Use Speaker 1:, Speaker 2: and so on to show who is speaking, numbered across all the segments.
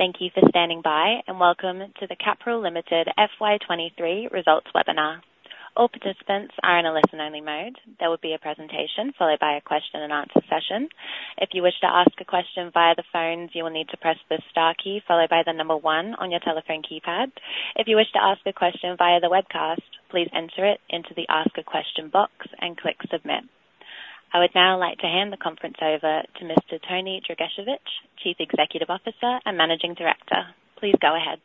Speaker 1: Thank you for standing by, and welcome to the Capral Limited FY 2023 Results Webinar. All participants are in a listen-only mode. There will be a presentation followed by a question-and-answer session. If you wish to ask a question via the phones, you will need to press the star key followed by the number one on your telephone keypad. If you wish to ask a question via the webcast, please enter it into the Ask a Question box and click Submit. I would now like to hand the conference over to Mr. Tony Dragicevich, Chief Executive Officer and Managing Director. Please go ahead.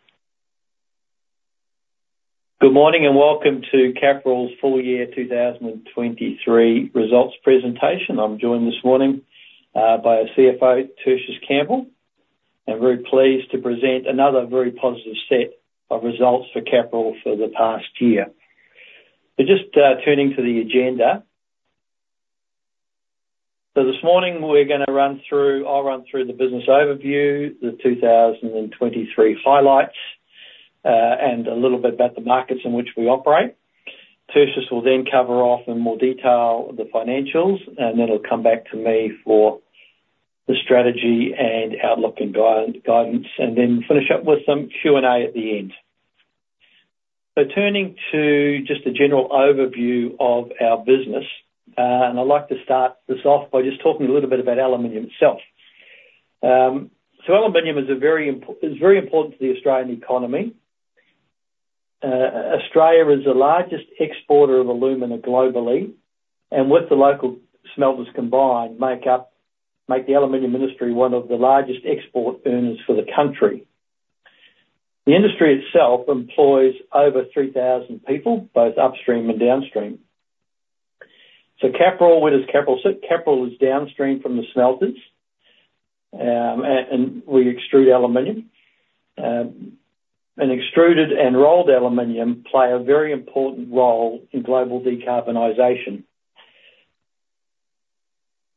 Speaker 2: Good morning and welcome to Capral's full-year 2023 results presentation. I'm joined this morning by CFO, Tertius Campbell. I'm very pleased to present another very positive set of results for Capral for the past year. Just turning to the agenda. This morning we're going to run through I'll run through the business overview, the 2023 highlights, and a little bit about the markets in which we operate. Tertius will then cover off in more detail the financials, and then he'll come back to me for the strategy and outlook and guidance, and then finish up with some Q&A at the end. Turning to just a general overview of our business, and I'd like to start this off by just talking a little bit about aluminium itself. Aluminium is very important to the Australian economy. Australia is the largest exporter of alumina globally, and with the local smelters combined, make the aluminium industry one of the largest export earners for the country. The industry itself employs over 3,000 people, both upstream and downstream. So Capral, where does Capral sit? Capral is downstream from the smelters, and we extrude aluminium. And extruded and rolled aluminium play a very important role in global decarbonization.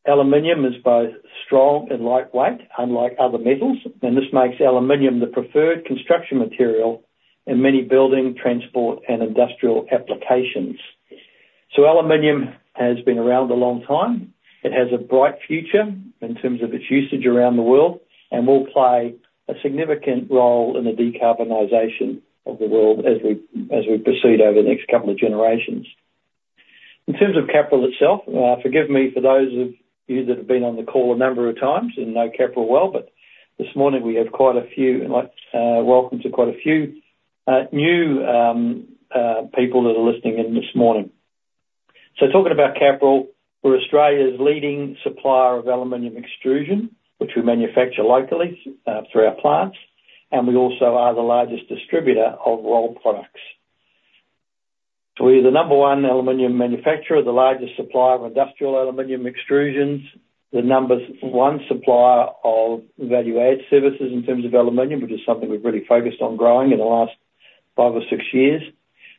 Speaker 2: Aluminium is both strong and lightweight, unlike other metals, and this makes aluminium the preferred construction material in many building, transport, and industrial applications. So aluminium has been around a long time. It has a bright future in terms of its usage around the world and will play a significant role in the decarbonization of the world as we proceed over the next couple of generations. In terms of Capral itself, forgive me for those of you that have been on the call a number of times and know Capral well, but this morning we have quite a few, and welcome to quite a few new people that are listening in this morning. So talking about Capral, we're Australia's leading supplier of aluminium extrusion, which we manufacture locally through our plants, and we also are the largest distributor of rolled products. So we're the number one aluminium manufacturer, the largest supplier of industrial aluminium extrusions, the number one supplier of value-added services in terms of aluminium, which is something we've really focused on growing in the last 5 or 6 years.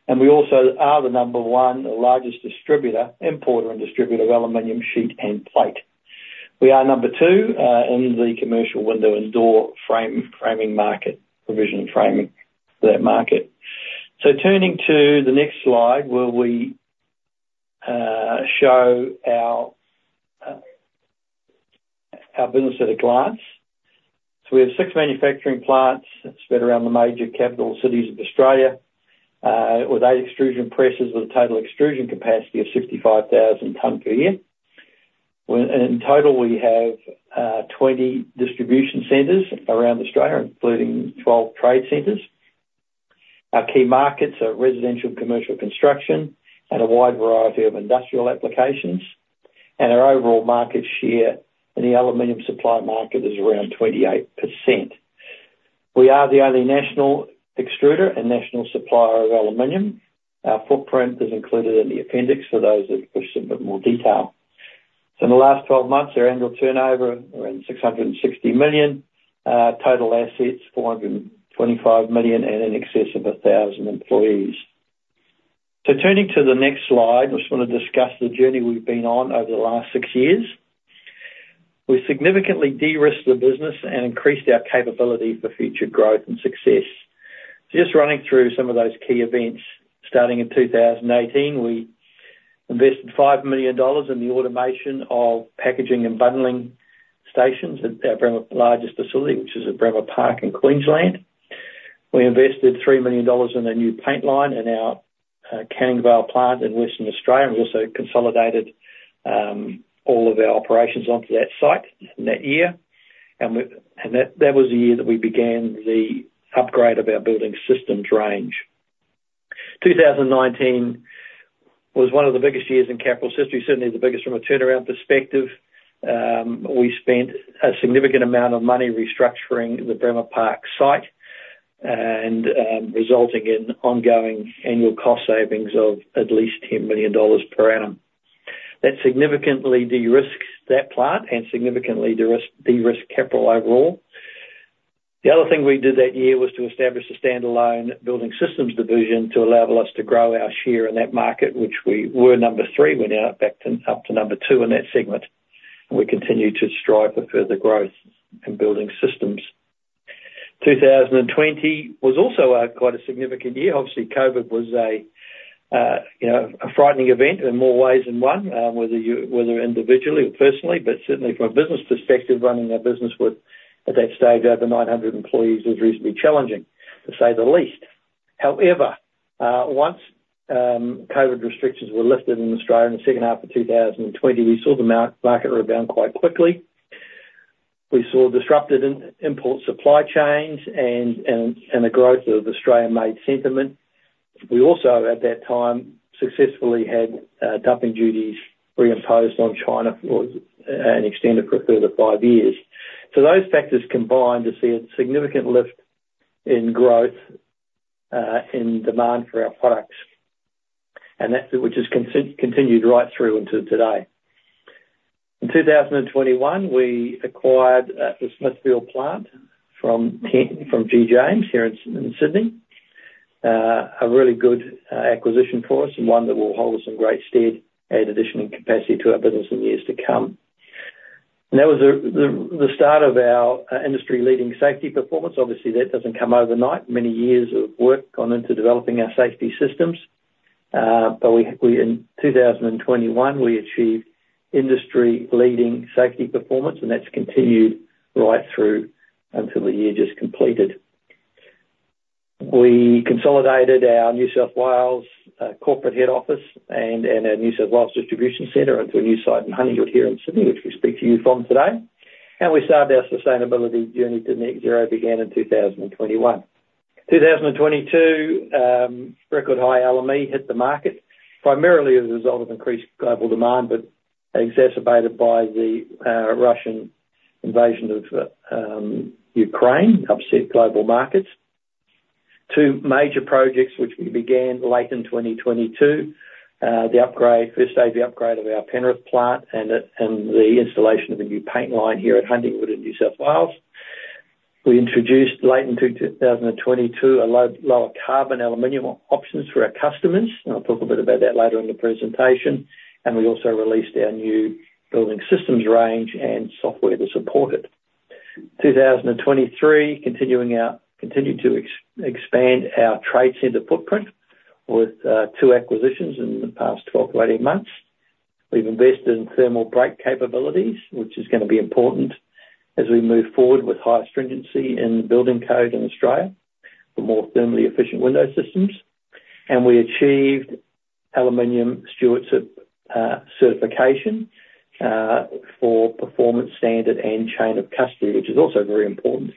Speaker 2: And we also are the number one, the largest distributor, importer, and distributor of aluminium sheet and plate. We are number two in the commercial window and door framing market, provision and framing for that market. So, turning to the next slide, where we show our business at a glance. So we have six manufacturing plants spread around the major capital cities of Australia with eight extrusion presses with a total extrusion capacity of 65,000 tonne per year. In total, we have 20 distribution centres around Australia, including 12 trade centres. Our key markets are residential and commercial construction and a wide variety of industrial applications. And our overall market share in the aluminium supply market is around 28%. We are the only national extruder and national supplier of aluminium. Our footprint is included in the appendix for those that push a bit more detail. So in the last 12 months, our annual turnover around 660 million, total assets 425 million, and in excess of 1,000 employees. So turning to the next slide, I just want to discuss the journey we've been on over the last 6 years. We've significantly de-risked the business and increased our capability for future growth and success. So just running through some of those key events. Starting in 2018, we invested 5 million dollars in the automation of packaging and bundling stations at our Bremer largest facility, which is at Bremer Park in Queensland. We invested 3 million dollars in a new paint line in our Canning Vale plant in Western Australia. And we also consolidated all of our operations onto that site in that year. And that was the year that we began the upgrade of our building systems range. 2019 was one of the biggest years in Capral's history, certainly the biggest from a turnaround perspective. We spent a significant amount of money restructuring the Bremer Park site and resulting in ongoing annual cost savings of at least 10 million dollars per annum. That significantly de-risked that plant and significantly de-risked Capral overall. The other thing we did that year was to establish a standalone building systems division to allow us to grow our share in that market, which we were number three. We're now up to number two in that segment. And we continue to strive for further growth in building systems. 2020 was also quite a significant year. Obviously, COVID was a frightening event in more ways than one, whether individually or personally. But certainly, from a business perspective, running a business at that stage over 900 employees is reasonably challenging, to say the least. However, once COVID restrictions were lifted in Australia in the second half of 2020, we saw the market rebound quite quickly. We saw disrupted import supply chains and a growth of Australian-made sentiment. We also, at that time, successfully had dumping duties reimposed on China for an extended for further five years. So those factors combined to see a significant lift in growth in demand for our products, which has continued right through until today. In 2021, we acquired the Smithfield plant from G James here in Sydney, a really good acquisition for us and one that will hold us in great stead addition in capacity to our business in years to come. And that was the start of our industry-leading safety performance. Obviously, that doesn't come overnight. Many years of work gone into developing our safety systems. But in 2021, we achieved industry-leading safety performance, and that's continued right through until the year just completed. We consolidated our New South Wales corporate head office and our New South Wales distribution centre into a new site in Huntingwood here in Sydney, which we speak to you from today. We started our sustainability journey to net zero began in 2021. 2022, record high aluminium hit the market, primarily as a result of increased global demand but exacerbated by the Russian invasion of Ukraine, upset global markets. Two major projects, which we began late in 2022, the first stage of the upgrade of our Penrith plant and the installation of a new paint line here at Huntingwood in New South Wales. We introduced, late into 2022, lower carbon aluminium options for our customers. I'll talk a bit about that later in the presentation. And we also released our new building systems range and software to support it. 2023, continued to expand our trade centre footprint with two acquisitions in the past 12-18 months. We've invested in thermal break capabilities, which is going to be important as we move forward with higher stringency in building code in Australia for more thermally efficient window systems. And we achieved aluminium stewardship certification for performance standard and Chain of Custody, which is also very important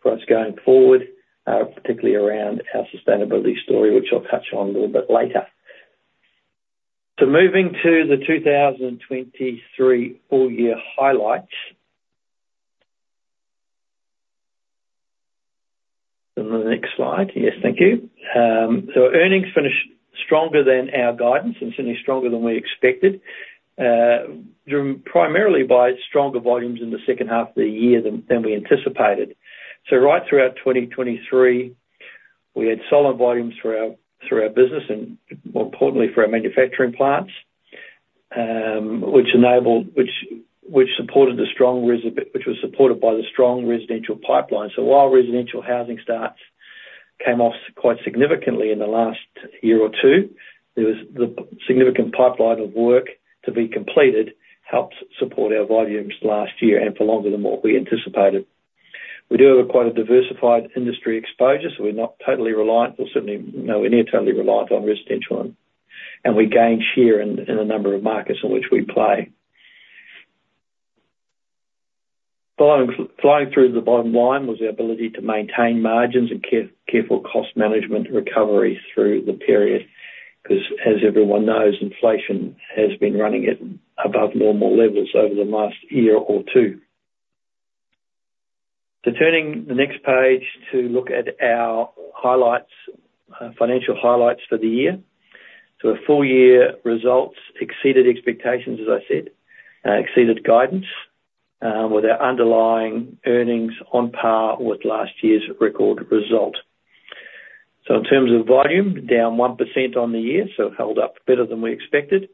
Speaker 2: for us going forward, particularly around our sustainability story, which I'll touch on a little bit later. So moving to the 2023 full year highlights. On the next slide. Yes, thank you. So earnings finished stronger than our guidance and certainly stronger than we expected, primarily by stronger volumes in the second half of the year than we anticipated. So right throughout 2023, we had solid volumes through our business and, more importantly, through our manufacturing plants, which supported the strong which was supported by the strong residential pipeline. So while residential housing starts came off quite significantly in the last year or two, the significant pipeline of work to be completed helped support our volumes last year and for longer than what we anticipated. We do have quite a diversified industry exposure, so we're not totally reliant or certainly no we're near totally reliant on residential. And we gain share in a number of markets in which we play. Flying through to the bottom line was the ability to maintain margins and careful cost management recovery through the period because, as everyone knows, inflation has been running at above normal levels over the last year or two. Turning the next page to look at our financial highlights for the year. The full year results exceeded expectations, as I said, exceeded guidance with our underlying earnings on par with last year's record result. In terms of volume, down 1% on the year, so held up better than we expected.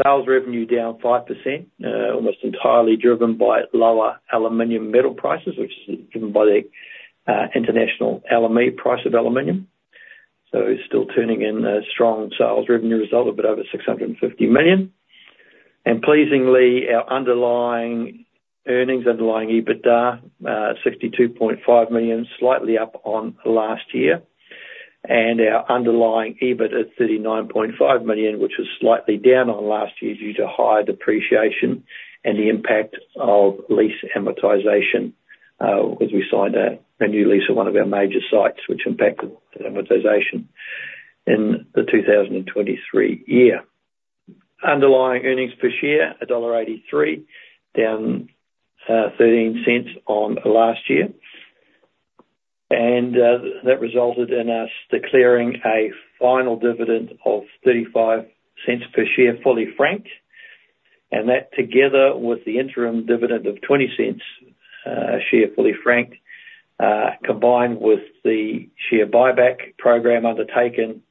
Speaker 2: Sales revenue down 5%, almost entirely driven by lower aluminium metal prices, which is driven by the international aluminium price of aluminium. Still turning in a strong sales revenue result of a bit over 650 million. Pleasingly, our underlying EBITDA, 62.5 million, slightly up on last year. Our underlying EBIT at 39.5 million, which was slightly down on last year due to higher depreciation and the impact of lease amortisation because we signed a new lease at one of our major sites, which impacted amortisation in the 2023 year. Underlying earnings per share, dollar 1.83, down 0.13 on last year. That resulted in us declaring a final dividend of 0.35 per share fully franked. That, together with the interim dividend of 0.20 a share fully franked, combined with the share buyback program undertaken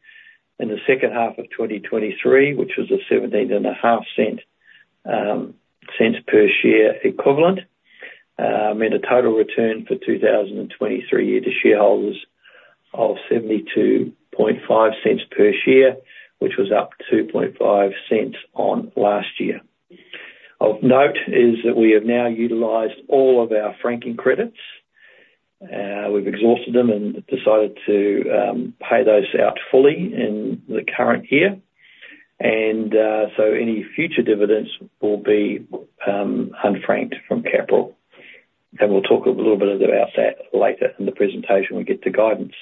Speaker 2: in the second half of 2023, which was a 0.175 per share equivalent, meant a total return for 2023 year to shareholders of 0.725 per share, which was up 0.025 on last year. Of note is that we have now utilized all of our franking credits. We've exhausted them and decided to pay those out fully in the current year. So any future dividends will be unfranked from Capral. And we'll talk a little bit about that later in the presentation when we get to guidance.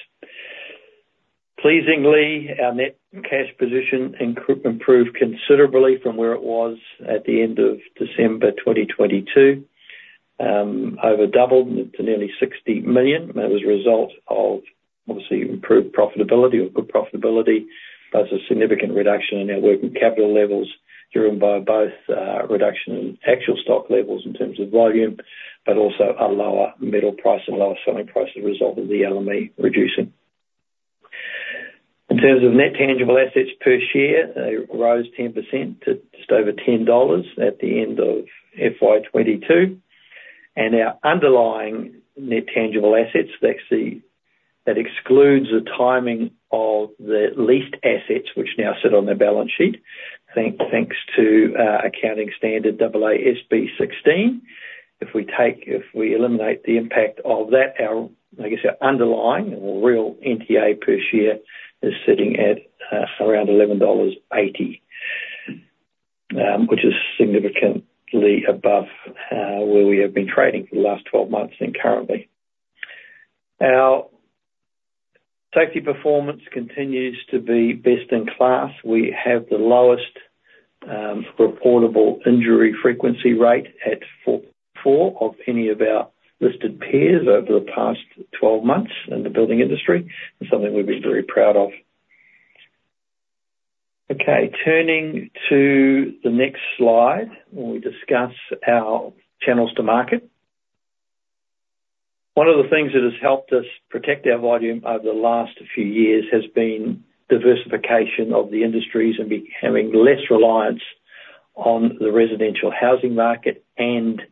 Speaker 2: Pleasingly, our net cash position improved considerably from where it was at the end of December 2022. Overdoubled to nearly 60 million. It was a result of, obviously, improved profitability or good profitability, both a significant reduction in our working capital levels driven by both reduction in actual stock levels in terms of volume, but also a lower metal price and lower selling price as a result of the aluminium reducing. In terms of net tangible assets per share, they rose 10% to just over 10 dollars at the end of FY 2022. Our underlying net tangible assets, that excludes the timing of the leased assets, which now sit on their balance sheet, thanks to accounting standard AASB 16. If we eliminate the impact of that, I guess our underlying or real NTA per share is sitting at around 11.80 dollars, which is significantly above where we have been trading for the last 12 months and currently. Our safety performance continues to be best in class. We have the lowest Reportable Injury Frequency Rate at four of any of our listed peers over the past 12 months in the building industry, and something we've been very proud of. Okay. Turning to the next slide, when we discuss our channels to market. One of the things that has helped us protect our volume over the last few years has been diversification of the industries and having less reliance on the residential housing market and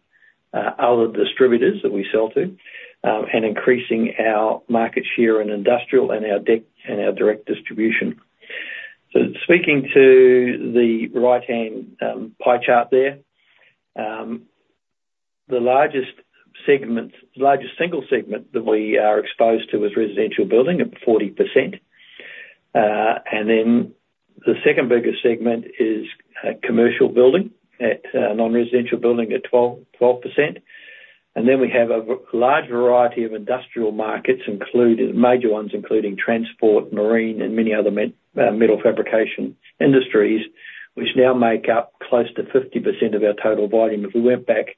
Speaker 2: other distributors that we sell to, and increasing our market share in industrial and our direct distribution. So speaking to the right-hand pie chart there, the largest single segment that we are exposed to is residential building at 40%. And then the second biggest segment is commercial building at non-residential building at 12%. And then we have a large variety of industrial markets, major ones including transport, marine, and many other metal fabrication industries, which now make up close to 50% of our total volume. If we went back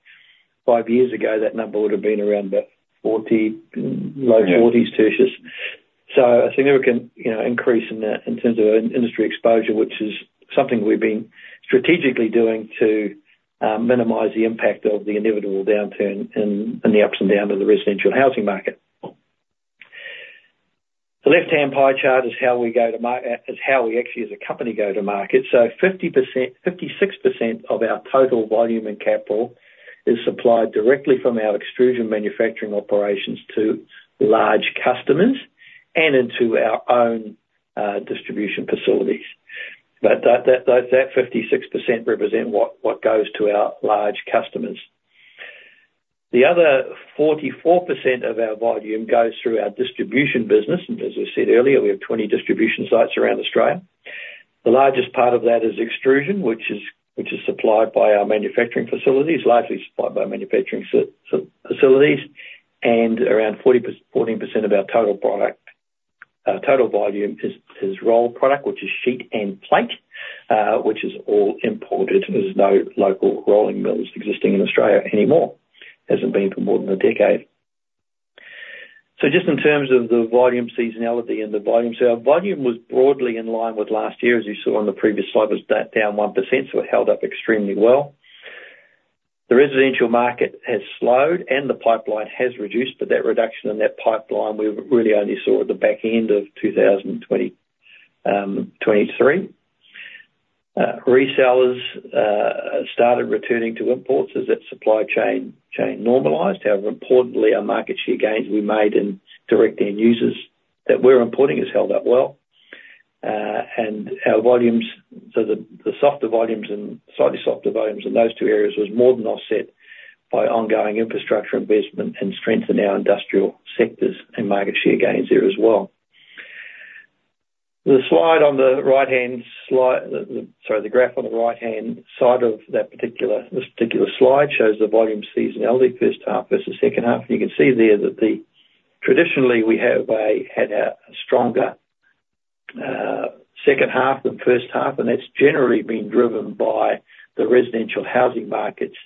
Speaker 2: five years ago, that number would have been around the low 40s, Tertius. So a significant increase in terms of industry exposure, which is something we've been strategically doing to minimize the impact of the inevitable downturn and the ups and downs of the residential housing market. The left-hand pie chart is how we actually, as a company, go to market. So 56% of our total volume and capital is supplied directly from our extrusion manufacturing operations to large customers and into our own distribution facilities. But that 56% represent what goes to our large customers. The other 44% of our volume goes through our distribution business. As we said earlier, we have 20 distribution sites around Australia. The largest part of that is extrusion, which is supplied by our manufacturing facilities, largely supplied by manufacturing facilities. Around 14% of our total volume is rolled product, which is sheet and plate, which is all imported. There's no local rolling mills existing in Australia anymore. It hasn't been for more than a decade. So just in terms of the volume seasonality and the volume, so our volume was broadly in line with last year, as you saw on the previous slide, was down 1%, so it held up extremely well. The residential market has slowed and the pipeline has reduced, but that reduction in that pipeline we really only saw at the back end of 2023. Resellers started returning to imports as that supply chain normalized. However, importantly our market share gains we made in direct end users that we're importing has held up well. And our volumes, so the softer volumes and slightly softer volumes in those two areas was more than offset by ongoing infrastructure investment and strength in our industrial sectors and market share gains there as well. The slide on the right-hand, sorry, the graph on the right-hand side of that particular slide shows the volume seasonality, first half versus second half. And you can see there that traditionally, we had a stronger second half than first half. That's generally been driven by the residential housing markets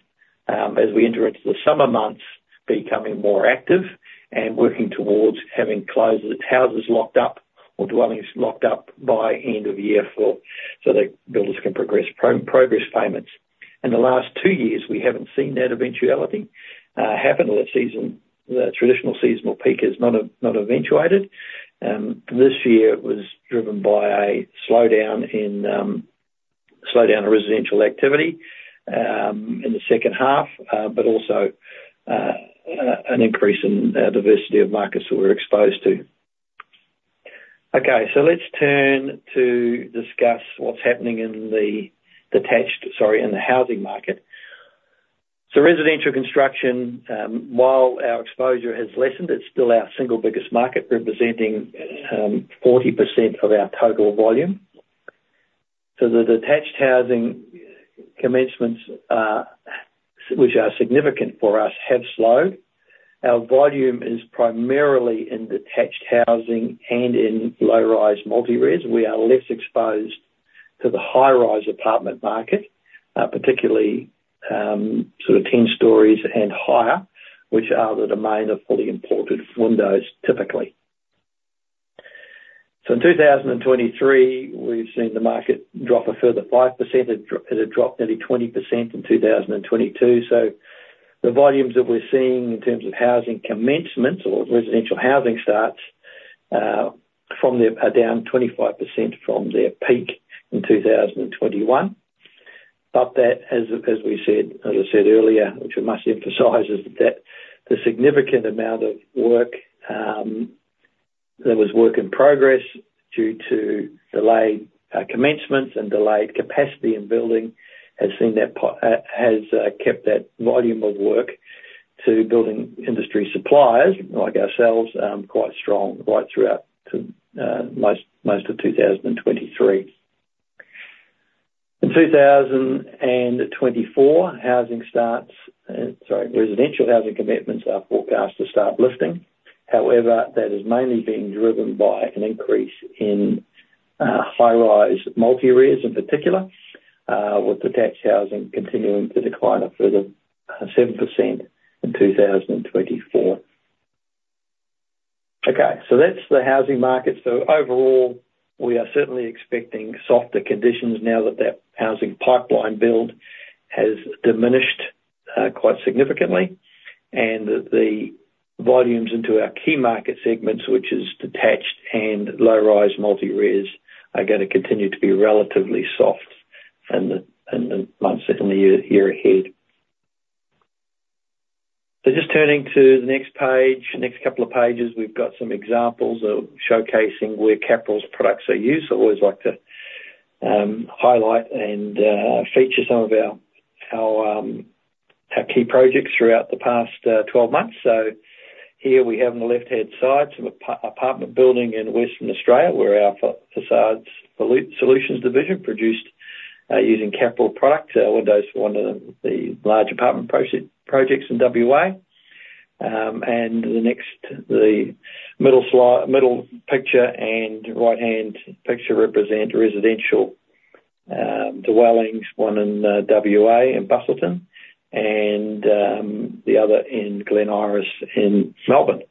Speaker 2: as we enter into the summer months becoming more active and working towards having houses locked up or dwellings locked up by end of year so that builders can progress payments. In the last 2 years, we haven't seen that eventuality happen. The traditional seasonal peak has not eventuated. This year, it was driven by a slowdown in residential activity in the second half, but also an increase in diversity of markets that we were exposed to. Okay. So let's turn to discuss what's happening in the attached sorry, in the housing market. So residential construction, while our exposure has lessened, it's still our single biggest market representing 40% of our total volume. So the detached housing commencements, which are significant for us, have slowed. Our volume is primarily in detached housing and in low-rise multi-res. We are less exposed to the high-rise apartment market, particularly sort of 10 stories and higher, which are the domain of fully imported windows, typically. So in 2023, we've seen the market drop a further 5%. It had dropped nearly 20% in 2022. So the volumes that we're seeing in terms of housing commencements or residential housing starts are down 25% from their peak in 2021. But that, as we said as I said earlier, which I must emphasise, is that the significant amount of work there was work in progress due to delayed commencements and delayed capacity in building has kept that volume of work to building industry suppliers, like ourselves, quite strong right throughout most of 2023. In 2024, housing starts sorry, residential housing commitments are forecast to start lifting. However, that is mainly being driven by an increase in high-rise multi-res in particular, with detached housing continuing to decline a further 7% in 2024. Okay. So that's the housing market. So overall, we are certainly expecting softer conditions now that that housing pipeline build has diminished quite significantly. And the volumes into our key market segments, which is detached and low-rise multi-res, are going to continue to be relatively soft in the months and the year ahead. So just turning to the next page, next couple of pages, we've got some examples showcasing where Capral's products are used. I always like to highlight and feature some of our key projects throughout the past 12 months. So here, we have on the left-hand side some apartment building in Western Australia, where our façades solutions division produced using Capral products. Windows for one of the large apartment projects in WA. The middle picture and right-hand picture represent residential dwellings, one in WA in Busselton and the other in Glen Iris in Melbourne,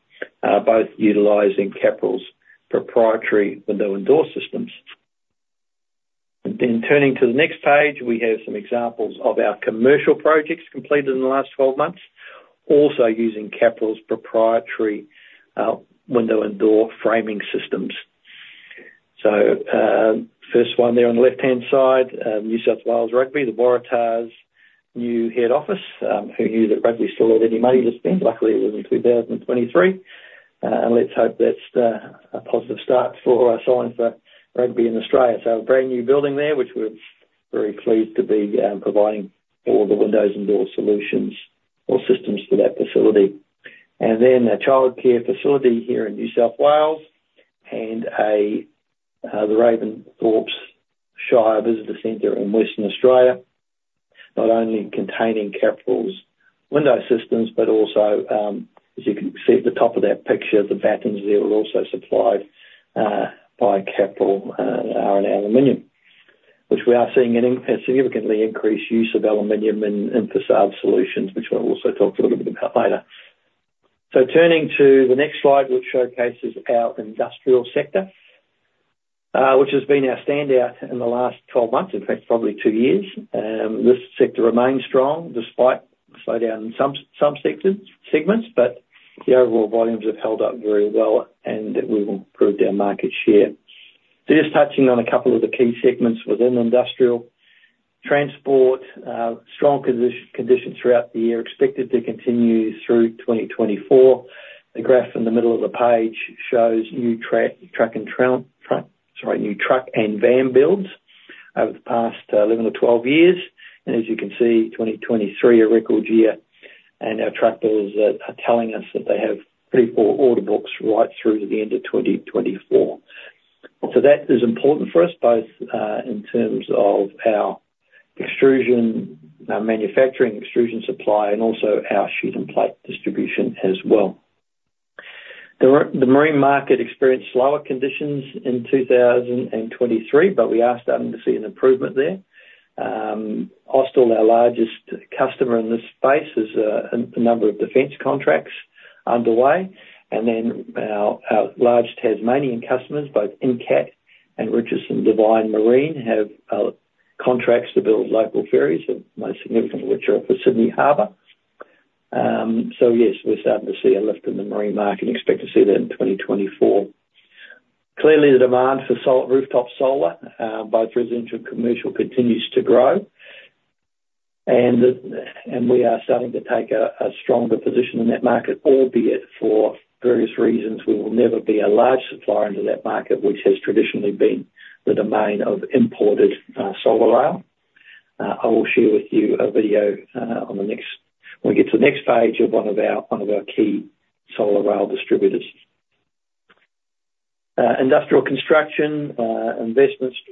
Speaker 2: both utilizing Capral's proprietary window and door systems. Then turning to the next page, we have some examples of our commercial projects completed in the last 12 months, also using Capral's proprietary window and door framing systems. So first one there on the left-hand side, New South Wales Rugby, the Waratahs new head office. Who knew that rugby still had any money to spend? Luckily, it was in 2023. And let's hope that's a positive start for us all and for rugby in Australia. So a brand new building there, which we're very pleased to be providing all the windows and door solutions or systems for that facility. And then a childcare facility here in New South Wales and the Ravensthorpe Shire Visitor Centre in Western Australia, not only containing Capral's window systems, but also, as you can see at the top of that picture, the battens there were also supplied by Capral and aluminium, which we are seeing a significantly increased use of aluminium in façade solutions, which we'll also talk a little bit about later. So turning to the next slide, which showcases our industrial sector, which has been our standout in the last 12 months, in fact, probably two years. This sector remains strong despite a slowdown in some segments, but the overall volumes have held up very well and that we've improved our market share. So just touching on a couple of the key segments within industrial. Transport, strong conditions throughout the year expected to continue through 2024. The graph in the middle of the page shows new truck and van builds over the past 11 or 12 years. As you can see, 2023, a record year. Our truck builders are telling us that they have pretty full order books right through to the end of 2024. So that is important for us, both in terms of our manufacturing extrusion supply and also our sheet and plate distribution as well. The marine market experienced slower conditions in 2023, but we are starting to see an improvement there. Austal, our largest customer in this space, has a number of defense contracts underway. Then our large Tasmanian customers, both Incat and Richardson Devine Marine, have contracts to build local ferries, the most significant of which are for Sydney Harbour. So yes, we're starting to see a lift in the marine market and expect to see that in 2024. Clearly, the demand for rooftop solar, both residential and commercial, continues to grow. We are starting to take a stronger position in that market, albeit for various reasons, we will never be a large supplier into that market, which has traditionally been the domain of imported solar rail. I will share with you a video when we get to the next page of one of our key solar rail distributors. Industrial construction,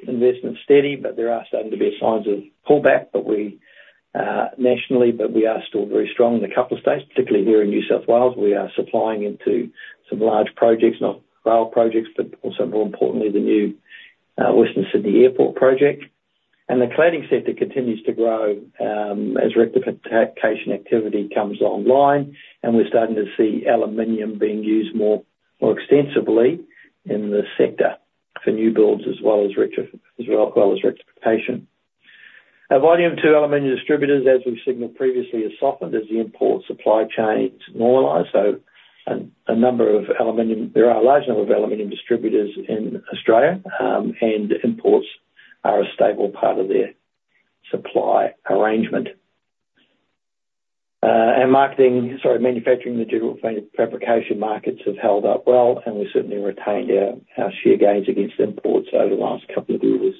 Speaker 2: investment steady, but there are starting to be signs of pullback nationally, but we are still very strong in a couple of states, particularly here in New South Wales. We are supplying into some large projects, not rail projects, but also, more importantly, the new Western Sydney Airport project. The cladding sector continues to grow as rectification activity comes online. We're starting to see aluminium being used more extensively in the sector for new builds as well as rectification. Our volume to aluminium distributors, as we signaled previously, has softened as the import supply chains normalized. There are a large number of aluminium distributors in Australia, and imports are a stable part of their supply arrangement. Marketing, sorry, manufacturing and the general fabrication markets have held up well, and we certainly retained our share gains against imports over the last couple of years.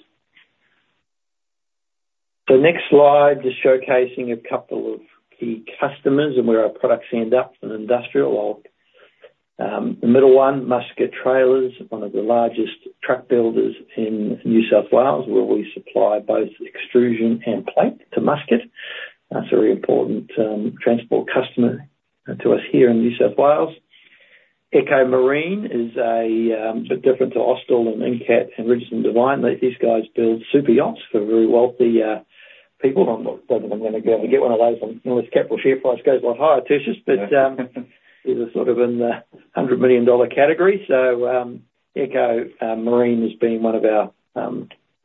Speaker 2: The next slide just showcasing a couple of key customers and where our products end up in industrial. The middle one, Muscat Trailers, one of the largest truck builders in New South Wales, where we supply both extrusion and plate to Muscat. That's a very important transport customer to us here in New South Wales. Echo Marine is a bit different to Austal and Incat and Richardson Devine. These guys build super yachts for very wealthy people. I'm not sure that I'm going to be able to get one of those. I know Capral share price goes a lot higher, Tertius, but he's sort of in the 100 million dollar category. So Echo Marine has been one of our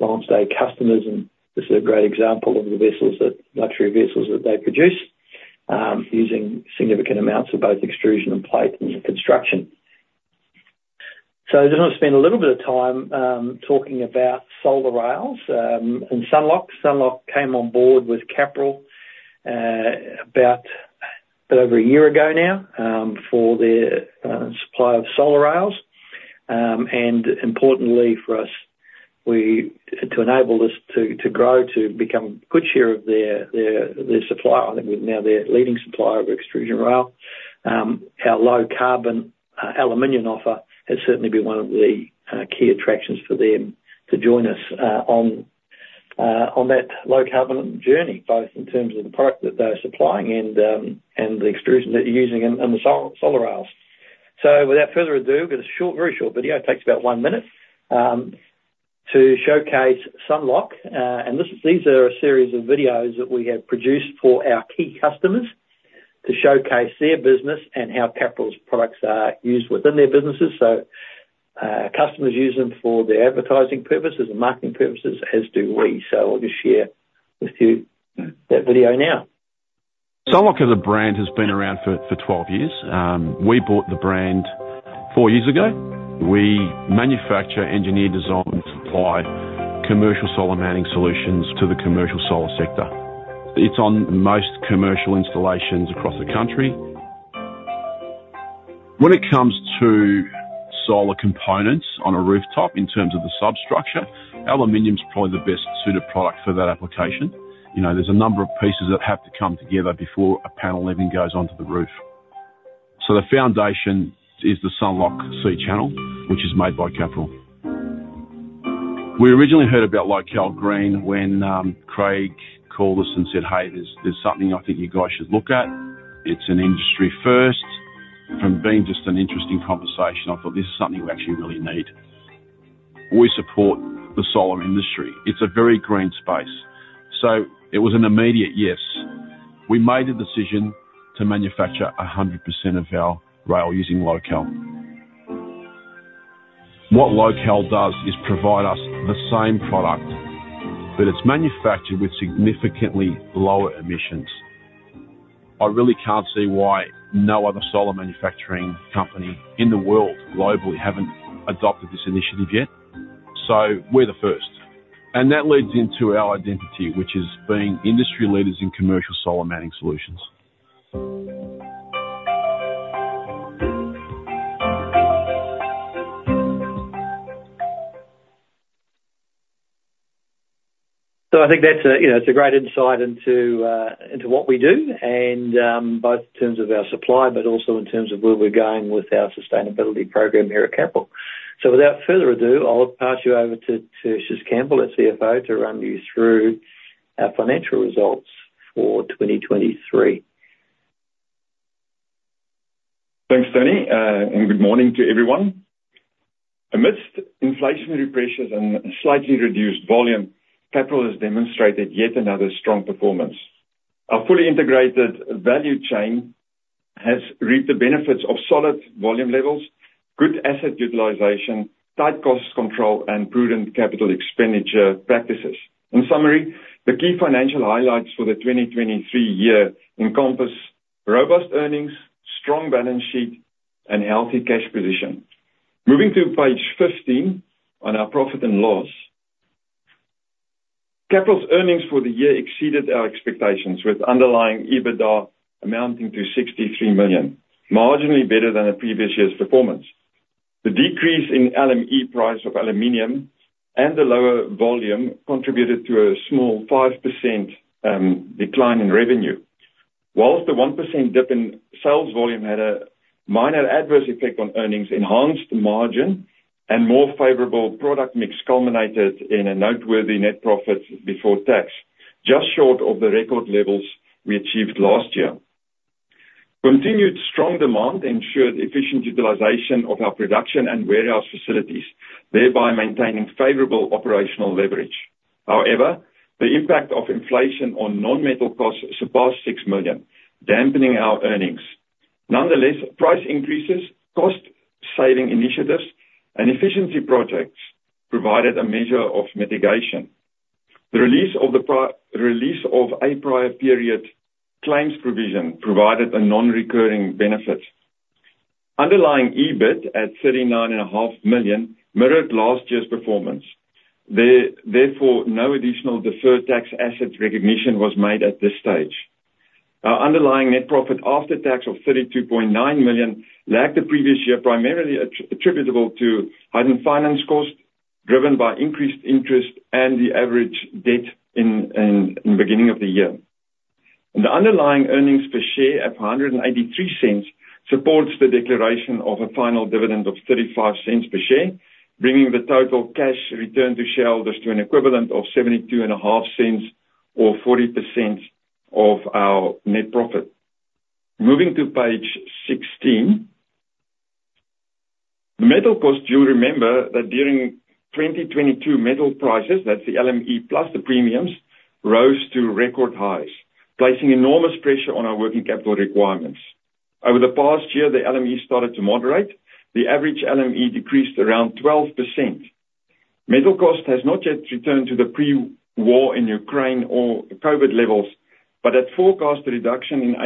Speaker 2: long-stay customers, and this is a great example of the luxury vessels that they produce using significant amounts of both extrusion and plate in the construction. So I just want to spend a little bit of time talking about solar rails and Sunlock. Sunlock came on board with Capral about a bit over a year ago now for their supply of solar rails. Importantly for us, to enable us to grow, to become a good share of their supply I think now their leading supplier of extrusion rail. Our low-carbon aluminium offer has certainly been one of the key attractions for them to join us on that low-carbon journey, both in terms of the product that they're supplying and the extrusion that they're using in the solar rails. Without further ado, we've got a very short video. It takes about one minute to showcase Sunlock. These are a series of videos that we have produced for our key customers to showcase their business and how Capral's products are used within their businesses. Customers use them for their advertising purposes and marketing purposes, as do we. I'll just share with you that video now. Sunlock as a brand has been around for 12 years. We bought the brand four years ago. We manufacture, engineer, design, and supply commercial solar mounting solutions to the commercial solar sector. It's on most commercial installations across the country. When it comes to solar components on a rooftop in terms of the substructure, aluminium's probably the best-suited product for that application. There's a number of pieces that have to come together before a panel even goes onto the roof. So the foundation is the Sunlock C Channel, which is made by Capral. We originally heard about LocAl Green when Craig called us and said, "Hey, there's something I think you guys should look at. It's an industry first." From being just an interesting conversation, I thought, "This is something we actually really need." We support the solar industry. It's a very green space. So it was an immediate yes. We made the decision to manufacture 100% of our rail using LocAl. What LocAl does is provide us the same product, but it's manufactured with significantly lower emissions. I really can't see why no other solar manufacturing company in the world, globally, haven't adopted this initiative yet. We're the first. That leads into our identity, which is being industry leaders in commercial solar mounting solutions. I think that's a great insight into what we do, both in terms of our supply, but also in terms of where we're going with our sustainability program here at Capral. Without further ado, I'll pass you over to Tertius Campbell, CFO, to run you through our financial results for 2023.
Speaker 3: Thanks, Tony. Good morning to everyone. Amidst inflationary pressures and slightly reduced volume, Capral has demonstrated yet another strong performance. Our fully integrated value chain has reaped the benefits of solid volume levels, good asset utilization, tight cost control, and prudent capital expenditure practices. In summary, the key financial highlights for the 2023 year encompass robust earnings, strong balance sheet, and healthy cash position. Moving to page 15 on our profit and loss, Capral's earnings for the year exceeded our expectations, with underlying EBITDA amounting to 63 million, marginally better than the previous year's performance. The decrease in LME price of aluminium and the lower volume contributed to a small 5% decline in revenue. While the 1% dip in sales volume had a minor adverse effect on earnings, enhanced margin and more favorable product mix culminated in a noteworthy net profit before tax, just short of the record levels we achieved last year. Continued strong demand ensured efficient utilization of our production and warehouse facilities, thereby maintaining favorable operational leverage. However, the impact of inflation on non-metal costs surpassed 6 million, dampening our earnings. Nonetheless, price increases, cost-saving initiatives, and efficiency projects provided a measure of mitigation. The release of a prior period claims provision provided a non-recurring benefit. Underlying EBIT at 39.5 million mirrored last year's performance. Therefore, no additional deferred tax assets recognition was made at this stage. Our underlying net profit after tax of 32.9 million lagged the previous year, primarily attributable to higher finance costs driven by increased interest and the average debt in the beginning of the year. And the underlying earnings per share of 1.83 supports the declaration of a final dividend of 0.35 per share, bringing the total cash return to shareholders to an equivalent of 0.725 or 40% of our net profit. Moving to page 16, the metal costs you'll remember that during 2022 metal prices, that's the LME plus the premiums, rose to record highs, placing enormous pressure on our working capital requirements. Over the past year, the LME started to moderate. The average LME decreased around 12%. Metal cost has not yet returned to the pre-war in Ukraine or COVID levels, but as forecast, the reduction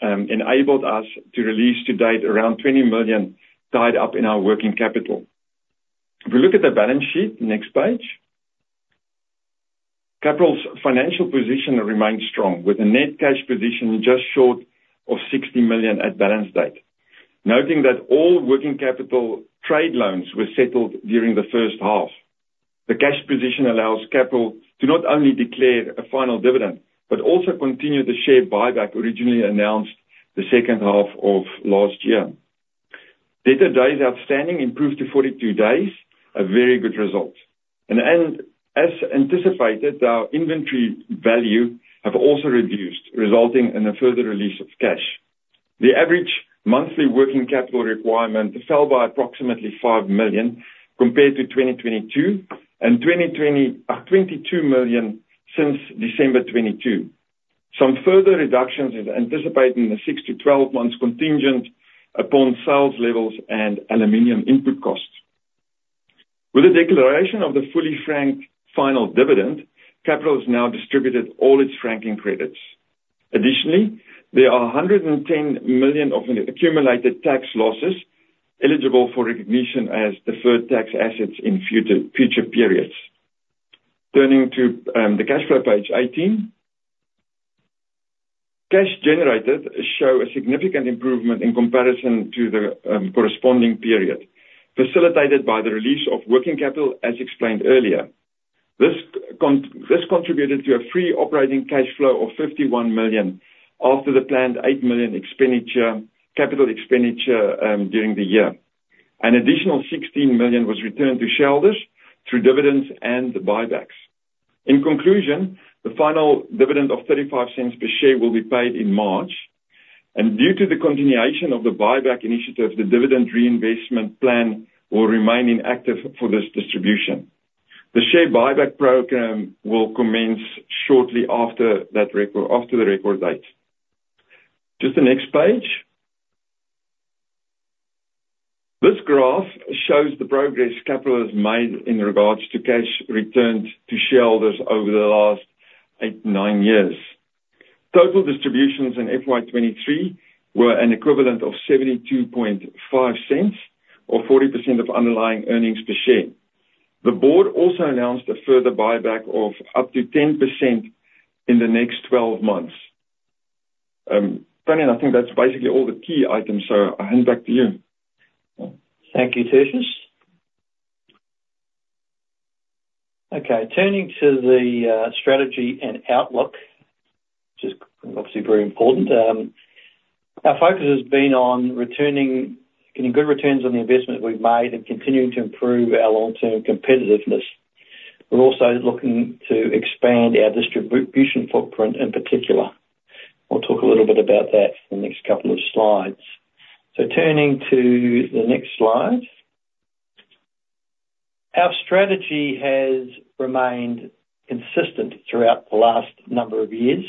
Speaker 3: enabled us to release to date around 20 million tied up in our working capital. If we look at the balance sheet, next page, Capral's financial position remained strong, with a net cash position just short of 60 million at balance date, noting that all working capital trade loans were settled during the first half. The cash position allows Capral to not only declare a final dividend but also continue the share buyback originally announced the second half of last year. Debt to days outstanding improved to 42 days, a very good result. As anticipated, our inventory value has also reduced, resulting in a further release of cash. The average monthly working capital requirement fell by approximately 5 million compared to 2022 and 22 million since December 2022. Some further reductions are anticipated in the 6-12 months contingent upon sales levels and aluminium input costs. With the declaration of the fully franked final dividend, Capral has now distributed all its franking credits. Additionally, there are 110 million of accumulated tax losses eligible for recognition as deferred tax assets in future periods. Turning to the cash flow page 18, cash generated showed a significant improvement in comparison to the corresponding period, facilitated by the release of working capital, as explained earlier. This contributed to a free operating cash flow of 51 million after the planned 8 million capital expenditure during the year. An additional 16 million was returned to shareholders through dividends and buybacks. In conclusion, the final dividend of 0.35 per share will be paid in March. Due to the continuation of the buyback initiative, the dividend reinvestment plan will remain inactive for this distribution. The share buyback program will commence shortly after the record date. Just the next page. This graph shows the progress Capral has made in regards to cash returned to shareholders over the last 8, 9 years. Total distributions in FY 2023 were an equivalent of 0.725 or 40% of underlying earnings per share. The board also announced a further buyback of up to 10% in the next 12 months. Danny, I think that's basically all the key items. So I hand back to you.
Speaker 2: Thank you, Tertius. Okay. Turning to the strategy and outlook, which is obviously very important. Our focus has been on getting good returns on the investment we've made and continuing to improve our long-term competitiveness. We're also looking to expand our distribution footprint in particular. I'll talk a little bit about that in the next couple of slides. So turning to the next slide, our strategy has remained consistent throughout the last number of years,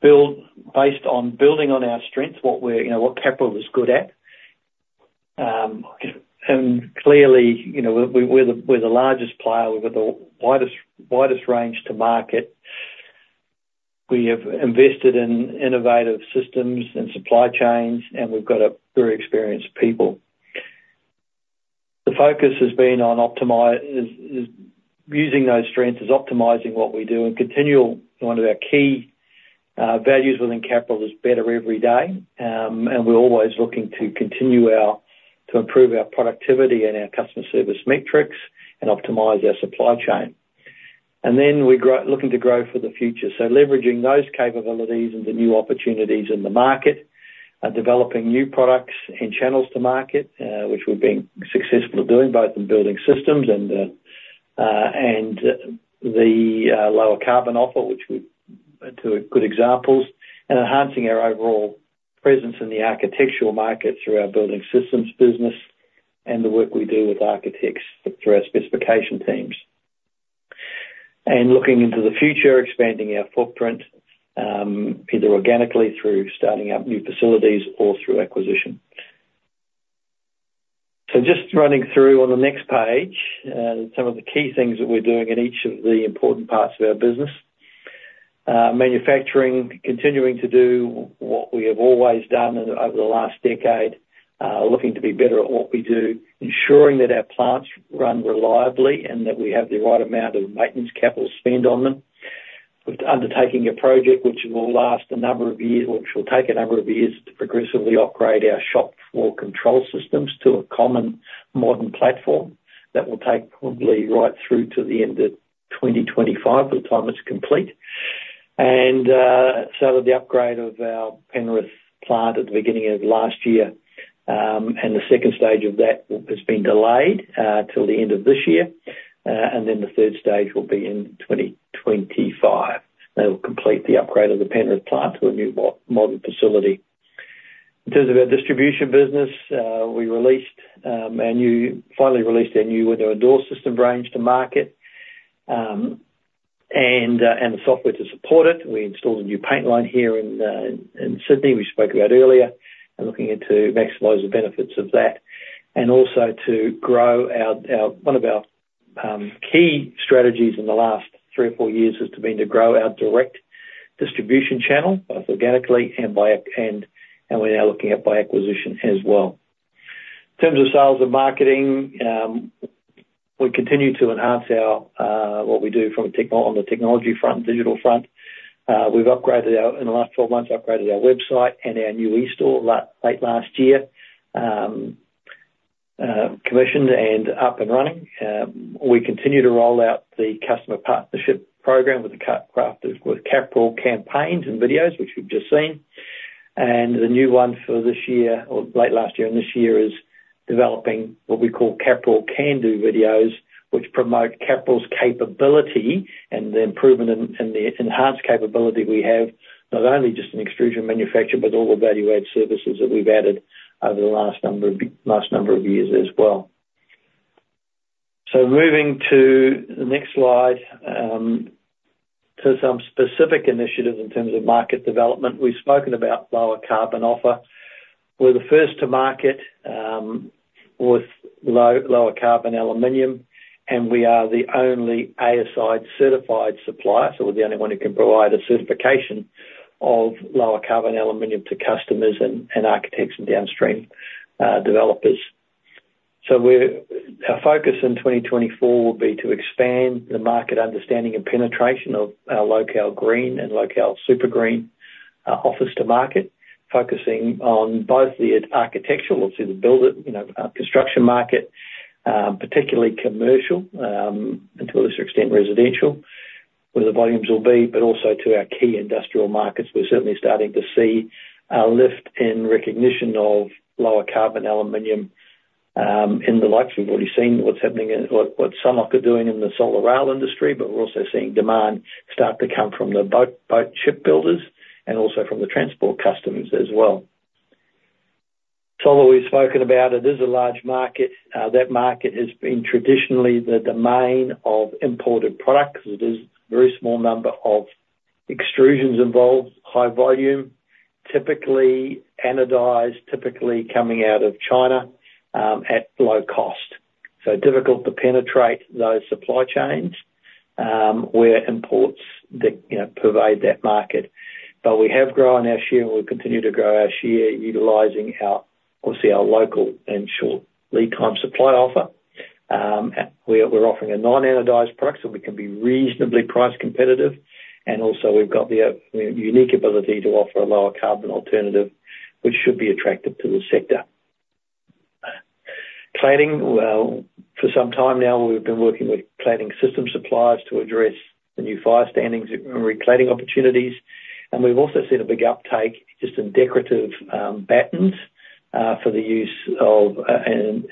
Speaker 2: based on building on our strengths, what Capral was good at. And clearly, we're the largest player. We've got the widest range to market. We have invested in innovative systems and supply chains, and we've got very experienced people. The focus has been on using those strengths as optimizing what we do. And one of our key values within Capral is better every day. We're always looking to improve our productivity and our customer service metrics and optimize our supply chain. Then we're looking to grow for the future. Leveraging those capabilities and the new opportunities in the market, developing new products and channels to market, which we've been successful at doing, both in building systems and the lower carbon offer, which were two good examples, and enhancing our overall presence in the architectural market through our building systems business and the work we do with architects through our specification teams. Looking into the future, expanding our footprint either organically through starting up new facilities or through acquisition. So just running through on the next page, some of the key things that we're doing in each of the important parts of our business: manufacturing, continuing to do what we have always done over the last decade, looking to be better at what we do, ensuring that our plants run reliably and that we have the right amount of maintenance capital spent on them. Undertaking a project which will last a number of years, which will take a number of years, to progressively upgrade our shop floor control systems to a common modern platform that will take probably right through to the end of 2025 by the time it's complete. And so the upgrade of our Penrith plant at the beginning of last year and the second stage of that has been delayed till the end of this year. And then the third stage will be in 2025. They will complete the upgrade of the Penrith plant to a new modern facility. In terms of our distribution business, we finally released our new window and door system range to market and the software to support it. We installed a new paint line here in Sydney we spoke about earlier, looking into maximizing the benefits of that and also to grow our one of our key strategies in the last 3 or 4 years has been to grow our direct distribution channel, both organically and we're now looking at by acquisition as well. In terms of sales and marketing, we continue to enhance what we do on the technology front, digital front. In the last 12 months, we upgraded our website and our new e-store late last year, commissioned and up and running. We continue to roll out the customer partnership program with Capral campaigns and videos, which you've just seen. And the new one for this year or late last year and this year is developing what we call Capral Can Do videos, which promote Capral's capability and the enhanced capability we have, not only just in extrusion manufacturing but all the value-added services that we've added over the last number of years as well. So moving to the next slide, to some specific initiatives in terms of market development, we've spoken about lower carbon offer. We're the first to market with lower carbon aluminium, and we are the only ASI certified supplier. So we're the only one who can provide a certification of lower carbon aluminium to customers and architects and downstream developers. So our focus in 2024 will be to expand the market understanding and penetration of our LocAl Green and LocAl Super Green offer to market, focusing on both the architectural—the built environment construction market, particularly commercial, and to a lesser extent, residential, where the volumes will be, but also to our key industrial markets. We're certainly starting to see a lift in recognition of lower carbon aluminium in the likes of. We've already seen what's happening in what Sunlock are doing in the solar rail industry, but we're also seeing demand start to come from the boat shipbuilders and also from the transport customers as well. Solar, we've spoken about. It is a large market. That market has been traditionally the domain of imported products. It is a very small number of extrusions involved, high volume, typically anodized, typically coming out of China at low cost. So difficult to penetrate those supply chains where imports pervade that market. But we have grown our share, and we continue to grow our share utilizing obviously our local and short lead-time supply offer. We're offering a non-anodized product, so we can be reasonably price competitive. And also, we've got the unique ability to offer a lower carbon alternative, which should be attractive to the sector. Cladding, for some time now, we've been working with cladding system suppliers to address the new fire standards and recladding opportunities. And we've also seen a big uptake just in decorative battens for the use of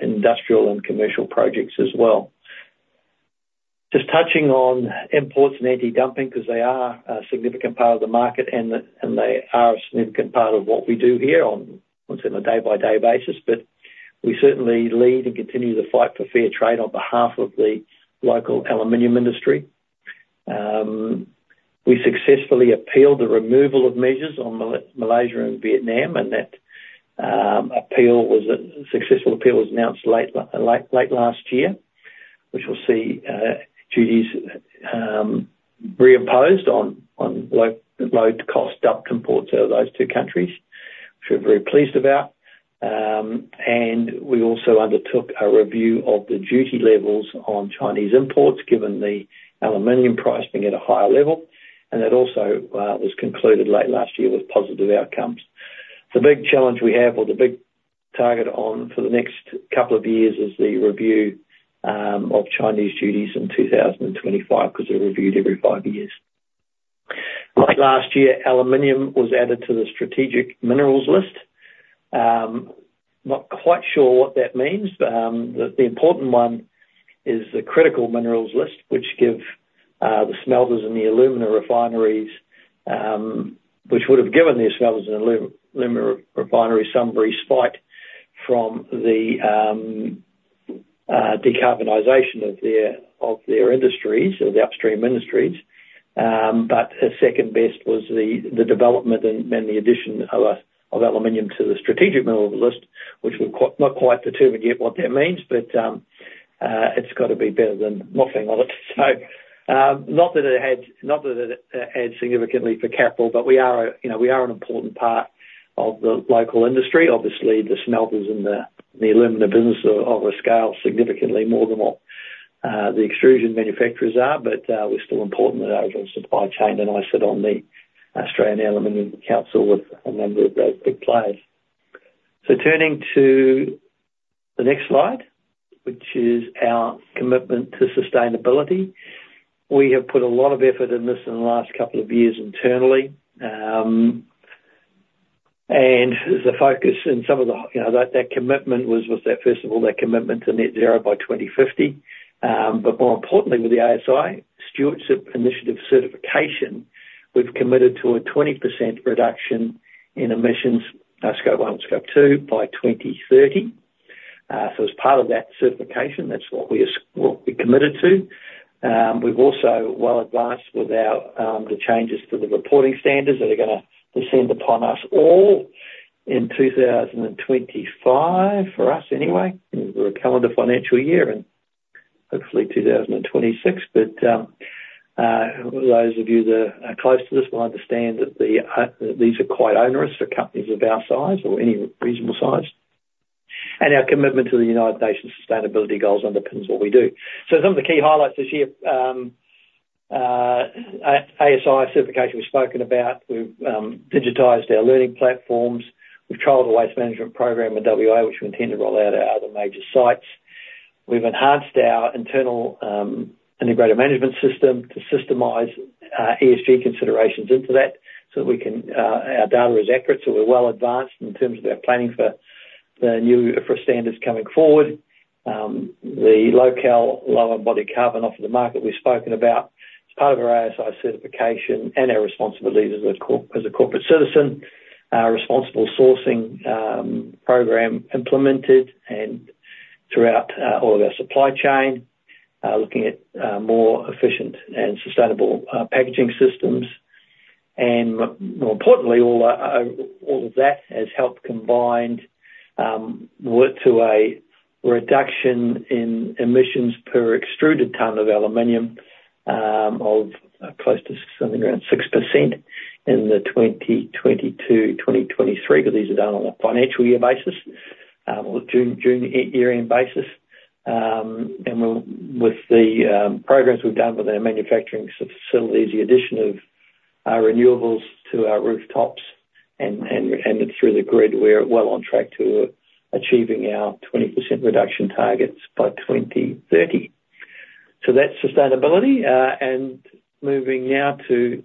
Speaker 2: industrial and commercial projects as well. Just touching on imports and anti-dumping because they are a significant part of the market, and they are a significant part of what we do here on a day-by-day basis. We certainly lead and continue the fight for fair trade on behalf of the local aluminium industry. We successfully appealed the removal of measures on Malaysia and Vietnam, and that successful appeal was announced late last year, which we'll see duties reimposed on low-cost dumped imports out of those two countries, which we're very pleased about. We also undertook a review of the duty levels on Chinese imports, given the aluminium price being at a higher level. That also was concluded late last year with positive outcomes. The big challenge we have or the big target for the next couple of years is the review of Chinese duties in 2025 because they're reviewed every five years. Like last year, aluminium was added to the Strategic Minerals List. Not quite sure what that means, but the important one is the Critical Minerals List, which give the smelters and the alumina refineries, which would have given their smelters and alumina refineries some brief respite from the decarbonization of their industries or the upstream industries. But second best was the development and the addition of aluminium to the Strategic Minerals List, which we've not quite determined yet what that means, but it's got to be better than nothing on it. So not that it adds significantly for Capral, but we are an important part of the local industry. Obviously, the smelters and the alumina business are of a scale significantly more than what the extrusion manufacturers are, but we're still important in our overall supply chain. And I sit on the Australian Aluminium Council with a number of those big players. Turning to the next slide, which is our commitment to sustainability. We have put a lot of effort in this in the last couple of years internally. The focus in some of that commitment was, first of all, that commitment to net zero by 2050. But more importantly, with the Aluminium Stewardship Initiative (ASI) certification, we've committed to a 20% reduction in emissions, Scope 1 and Scope 2, by 2030. So as part of that certification, that's what we committed to. We've also well advanced with the changes to the reporting standards that are going to descend upon us all in 2025, for us anyway. We're a calendar financial year in hopefully 2026. But those of you that are close to this will understand that these are quite onerous for companies of our size or any reasonable size. And our commitment to the United Nations Sustainability Goals underpins what we do. So some of the key highlights this year: ASI certification, we've spoken about. We've digitized our learning platforms. We've trialed a waste management program with WA, which we intend to roll out at our other major sites. We've enhanced our internal integrated management system to systemize ESG considerations into that so that our data is accurate. So we're well advanced in terms of our planning for the new IFRS standards coming forward. The LocAl lower embodied carbon offer to market we've spoken about is part of our ASI certification and our responsibilities as a corporate citizen, our responsible sourcing program implemented throughout all of our supply chain, looking at more efficient and sustainable packaging systems. More importantly, all of that has helped combine work to a reduction in emissions per extruded ton of aluminium of close to something around 6% in the 2022-2023 because these are done on a financial year basis or a June year-end basis. With the programs we've done with our manufacturing facilities, the addition of renewables to our rooftops and through the grid, we're well on track to achieving our 20% reduction targets by 2030. So that's sustainability. Moving now to,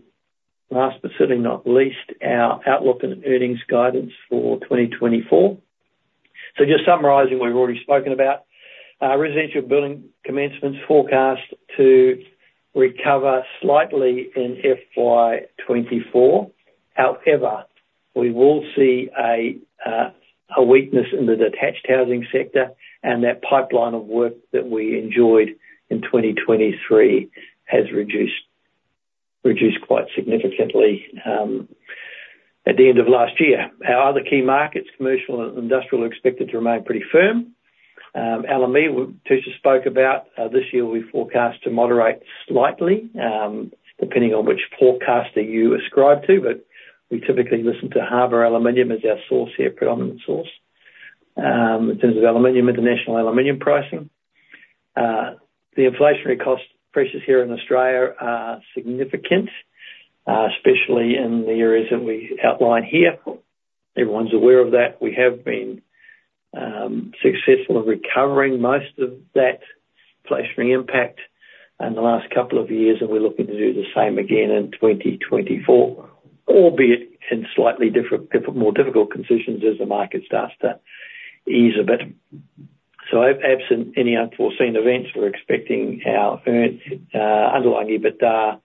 Speaker 2: last but certainly not least, our outlook and earnings guidance for 2024. Just summarizing what we've already spoken about, residential building commencements forecast to recover slightly in FY 2024. However, we will see a weakness in the detached housing sector, and that pipeline of work that we enjoyed in 2023 has reduced quite significantly at the end of last year. Our other key markets, commercial and industrial, are expected to remain pretty firm. Alumina, which Tertius spoke about, this year we forecast to moderate slightly, depending on which forecaster you ascribe to. But we typically listen to Harbor Aluminium as our source here, predominant source in terms of international aluminium pricing. The inflationary cost pressures here in Australia are significant, especially in the areas that we outline here. Everyone's aware of that. We have been successful in recovering most of that inflationary impact in the last couple of years, and we're looking to do the same again in 2024, albeit in slightly more difficult conditions as the market starts to ease a bit. So absent any unforeseen events, we're expecting our underlying EBITDA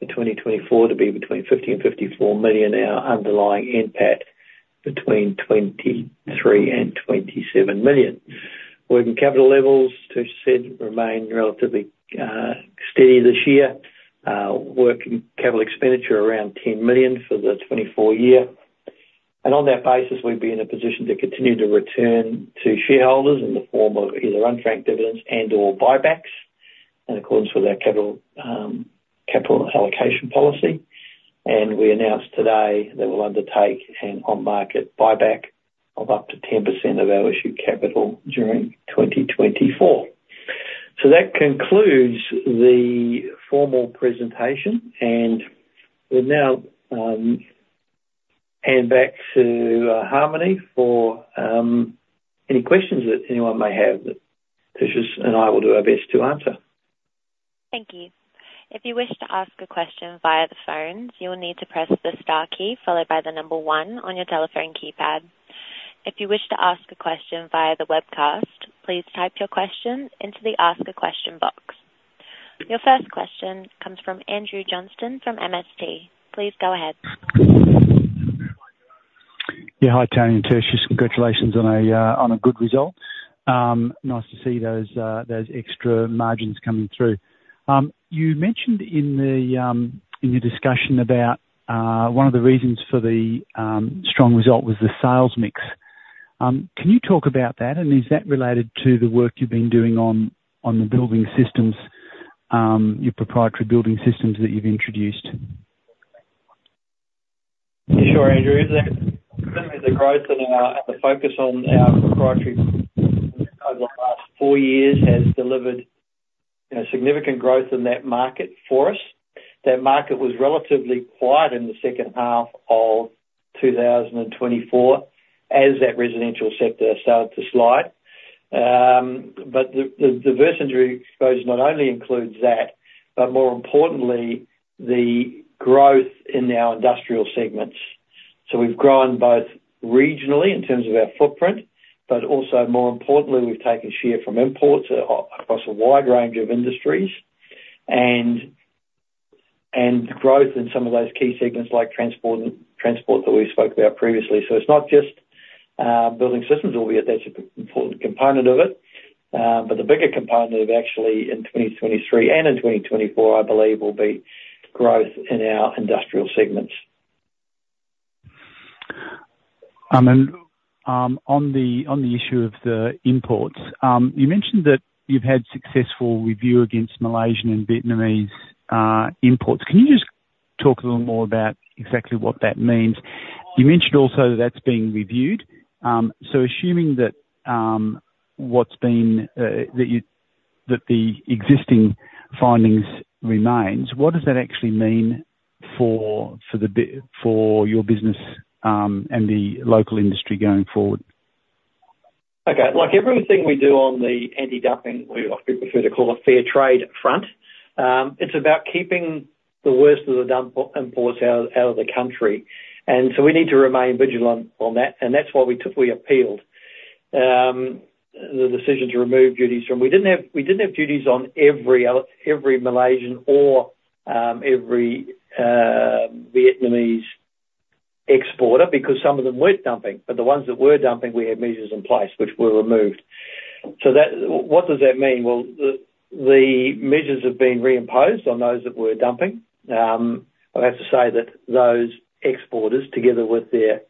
Speaker 2: for 2024 to be between 50 million and 54 million, our underlying NPAT between 23 million and 27 million. Working capital levels, Tertius said, remain relatively steady this year. Working capital expenditure around 10 million for the 2024 year. On that basis, we'd be in a position to continue to return to shareholders in the form of either unfranked dividends and/or buybacks in accordance with our capital allocation policy. We announced today that we'll undertake an on-market buyback of up to 10% of our issued capital during 2024. That concludes the formal presentation. We'll now hand back to Harmony for any questions that anyone may have that Tertius and I will do our best to answer.
Speaker 1: Thank you. If you wish to ask a question via the phones, you will need to press the star key followed by the number one on your telephone keypad. If you wish to ask a question via the webcast, please type your question into the Ask a Question box. Your first question comes from Andrew Johnston from MST. Please go ahead.
Speaker 4: Yeah. Hi, Tony and Tertius. Congratulations on a good result. Nice to see those extra margins coming through. You mentioned in your discussion about one of the reasons for the strong result was the sales mix. Can you talk about that? And is that related to the work you've been doing on the building systems, your proprietary building systems that you've introduced?
Speaker 2: Yeah. Sure, Andrew. Certainly, the growth and the focus on our proprietary systems over the last four years has delivered significant growth in that market for us. That market was relatively quiet in the second half of 2024 as that residential sector started to slide. But the diversity exposure not only includes that, but more importantly, the growth in our industrial segments. So we've grown both regionally in terms of our footprint, but also more importantly, we've taken share from imports across a wide range of industries and growth in some of those key segments like transport that we spoke about previously. So it's not just building systems, albeit that's an important component of it. But the bigger component of, actually, in 2023 and in 2024, I believe, will be growth in our industrial segments.
Speaker 4: On the issue of the imports, you mentioned that you've had successful review against Malaysian and Vietnamese imports. Can you just talk a little more about exactly what that means? You mentioned also that that's being reviewed. So assuming that what's been that the existing findings remains, what does that actually mean for your business and the local industry going forward?
Speaker 2: Okay. Everything we do on the anti-dumping, we prefer to call it fair trade front, it's about keeping the worst of the dump imports out of the country. And so we need to remain vigilant on that. And that's why we appealed the decision to remove duties from we didn't have duties on every Malaysian or every Vietnamese exporter because some of them weren't dumping. But the ones that were dumping, we had measures in place which were removed. So what does that mean? Well, the measures have been reimposed on those that were dumping. I have to say that those exporters, together with their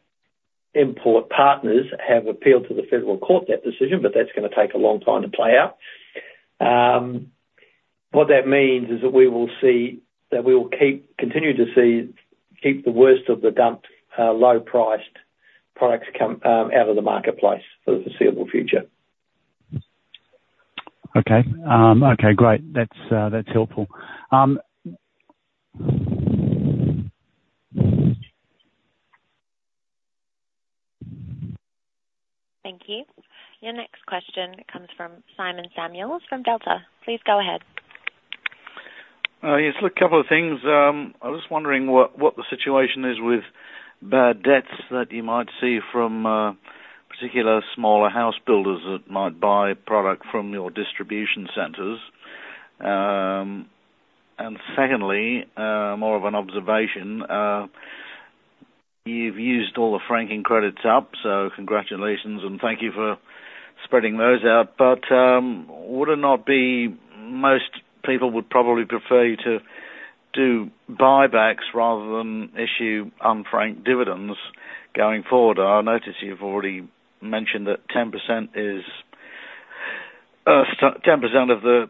Speaker 2: import partners, have appealed to the federal court that decision, but that's going to take a long time to play out. What that means is that we will see that we will continue to keep the worst of the dumped low-priced products out of the marketplace for the foreseeable future.
Speaker 4: Okay. Okay. Great. That's helpful.
Speaker 1: Thank you. Your next question comes from Simon Samuels from Delta. Please go ahead.
Speaker 5: Yes. Look, a couple of things. I was wondering what the situation is with bad debts that you might see from particular smaller house builders that might buy product from your distribution centres. And secondly, more of an observation, you've used all the franking credits up, so congratulations, and thank you for spreading those out. But would it not be most people would probably prefer you to do buybacks rather than issue unfranked dividends going forward? I notice you've already mentioned that 10% of the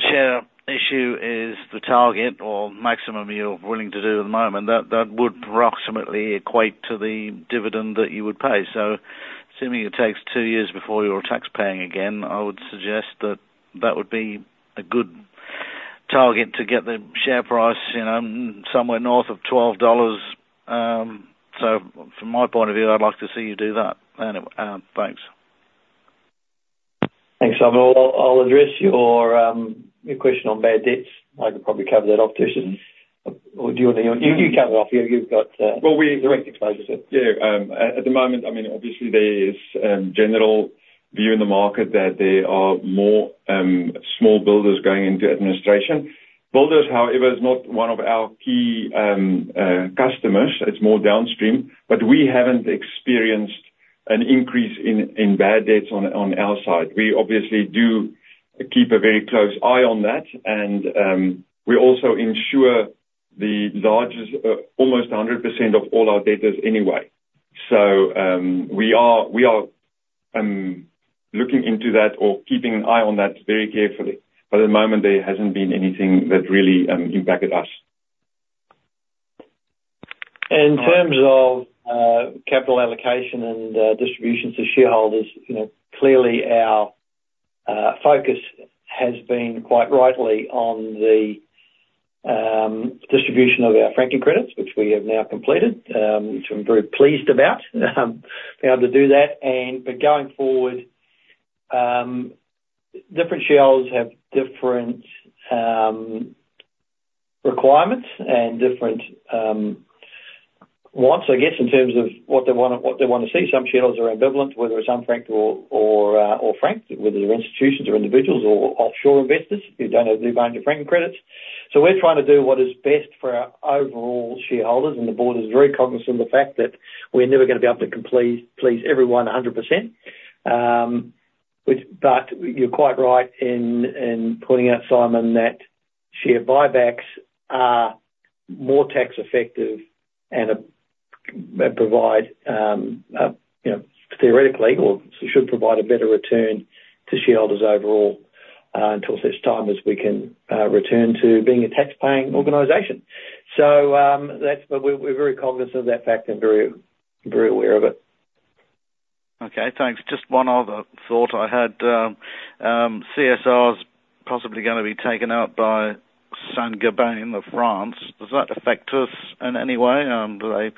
Speaker 5: share issue is the target or maximum you're willing to do at the moment. That would approximately equate to the dividend that you would pay. So assuming it takes two years before you're a taxpayer again, I would suggest that that would be a good target to get the share price somewhere north of 12 dollars. From my point of view, I'd like to see you do that. Thanks.
Speaker 2: Thanks, Simon. I'll address your question on bad debts. I could probably cover that off, Tertius. Or do you want to you cover it off? You've got direct exposure to it.
Speaker 3: Well, at the moment, I mean, obviously, there is a general view in the market that there are more small builders going into administration. Builders, however, is not one of our key customers. It's more downstream. But we haven't experienced an increase in bad debts on our side. We obviously do keep a very close eye on that. And we also insure almost 100% of all our debtors anyway. So we are looking into that or keeping an eye on that very carefully. But at the moment, there hasn't been anything that really impacted us.
Speaker 2: In terms of capital allocation and distribution to shareholders, clearly, our focus has been quite rightly on the distribution of our franking credits, which we have now completed, which I'm very pleased about being able to do that. But going forward, different shareholders have different requirements and different wants, I guess, in terms of what they want to see. Some shareholders are ambivalent, whether it's unfranked or franked, whether they're institutions or individuals or offshore investors who don't have the ability to frank their credits. So we're trying to do what is best for our overall shareholders. And the board is very cognizant of the fact that we're never going to be able to please everyone 100%. But you're quite right in pointing out, Simon, that share buybacks are more tax-effective and provide, theoretically, or should provide a better return to shareholders overall until such time as we can return to being a taxpaying organization. But we're very cognizant of that fact and very aware of it.
Speaker 5: Okay. Thanks. Just one other thought I had. CSR's possibly going to be taken out by Saint-Gobain, of France. Does that affect us in any way? Are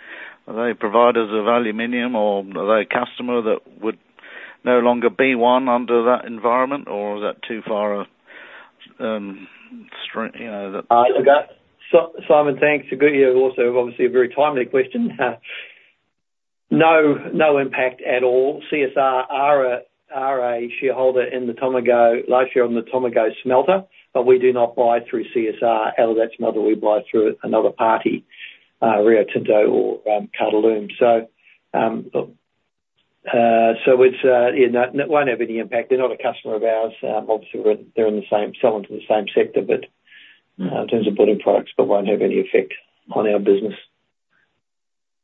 Speaker 5: they providers of aluminium, or are they a customer that would no longer be one under that environment, or is that too far a?
Speaker 2: Simon, thanks. You've also, obviously, a very timely question. No impact at all. CSR are a shareholder in the Tomago last year on the Tomago smelter, but we do not buy through CSR out of that smelter. We buy through another party, Rio Tinto or Qatalum. So it won't have any impact. They're not a customer of ours. Obviously, they're selling to the same sector in terms of building products, but won't have any effect on our business.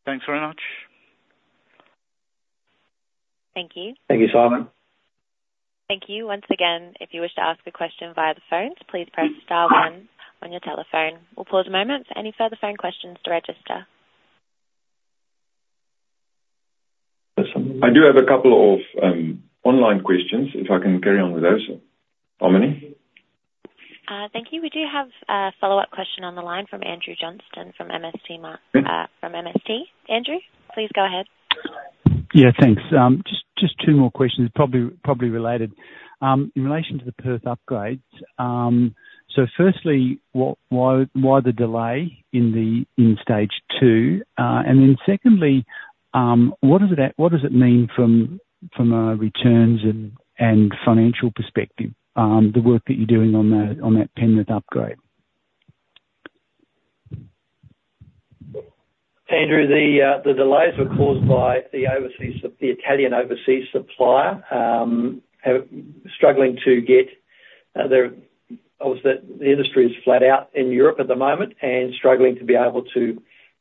Speaker 5: Thanks very much.
Speaker 1: Thank you.
Speaker 2: Thank you, Simon.
Speaker 1: Thank you. Once again, if you wish to ask a question via the phones, please press star one on your telephone. We'll pause a moment for any further phone questions to register.
Speaker 3: I do have a couple of online questions if I can carry on with those. Harmony?
Speaker 1: Thank you. We do have a follow-up question on the line from Andrew Johnston from MST. Andrew, please go ahead.
Speaker 4: Yeah. Thanks. Just two more questions, probably related. In relation to the Perth upgrades, so firstly, why the delay in stage two? And then secondly, what does it mean from a returns and financial perspective, the work that you're doing on that Perth upgrade?
Speaker 2: Andrew, the delays were caused by the Italian overseas supplier struggling, the industry is flat out in Europe at the moment and struggling to be able to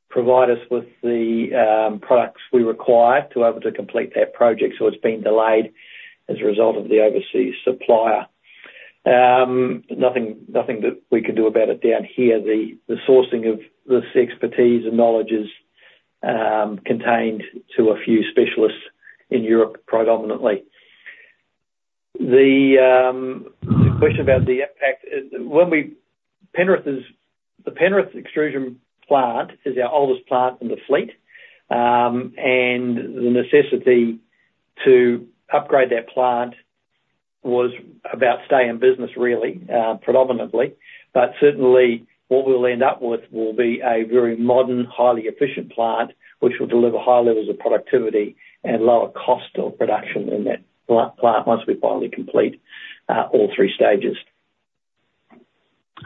Speaker 2: provide us with the products we require to be able to complete that project. So it's been delayed as a result of the overseas supplier. Nothing that we can do about it down here. The sourcing of this expertise and knowledge is contained to a few specialists in Europe predominantly. The question about the impact the Penrith extrusion plant is our oldest plant in the fleet. And the necessity to upgrade that plant was about staying in business, really, predominantly. But certainly, what we'll end up with will be a very modern, highly efficient plant which will deliver high levels of productivity and lower cost of production in that plant once we finally complete all three stages.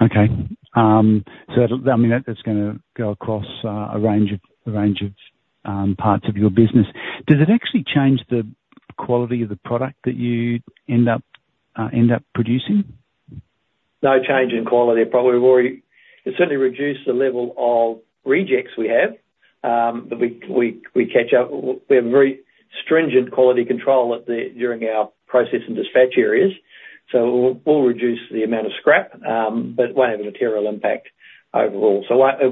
Speaker 4: Okay. I mean, that's going to go across a range of parts of your business. Does it actually change the quality of the product that you end up producing?
Speaker 2: No change in quality. It certainly reduces the level of rejects we have, but we catch up. We have very stringent quality control during our process and dispatch areas. So we'll reduce the amount of scrap, but won't have a material impact overall. So it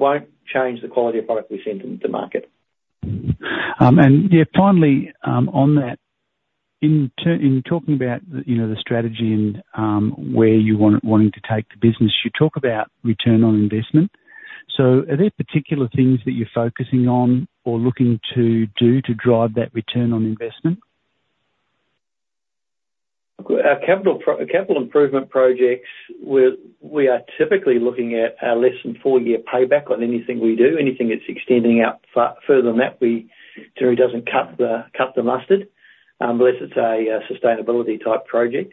Speaker 2: won't change the quality of product we send into market.
Speaker 4: And yeah, finally, on that, in talking about the strategy and where you're wanting to take the business, you talk about return on investment. So are there particular things that you're focusing on or looking to do to drive that return on investment?
Speaker 2: Our capital improvement projects, we are typically looking at a less than 4-year payback on anything we do. Anything that's extending out further than that, we generally don't cut the mustard unless it's a sustainability-type project.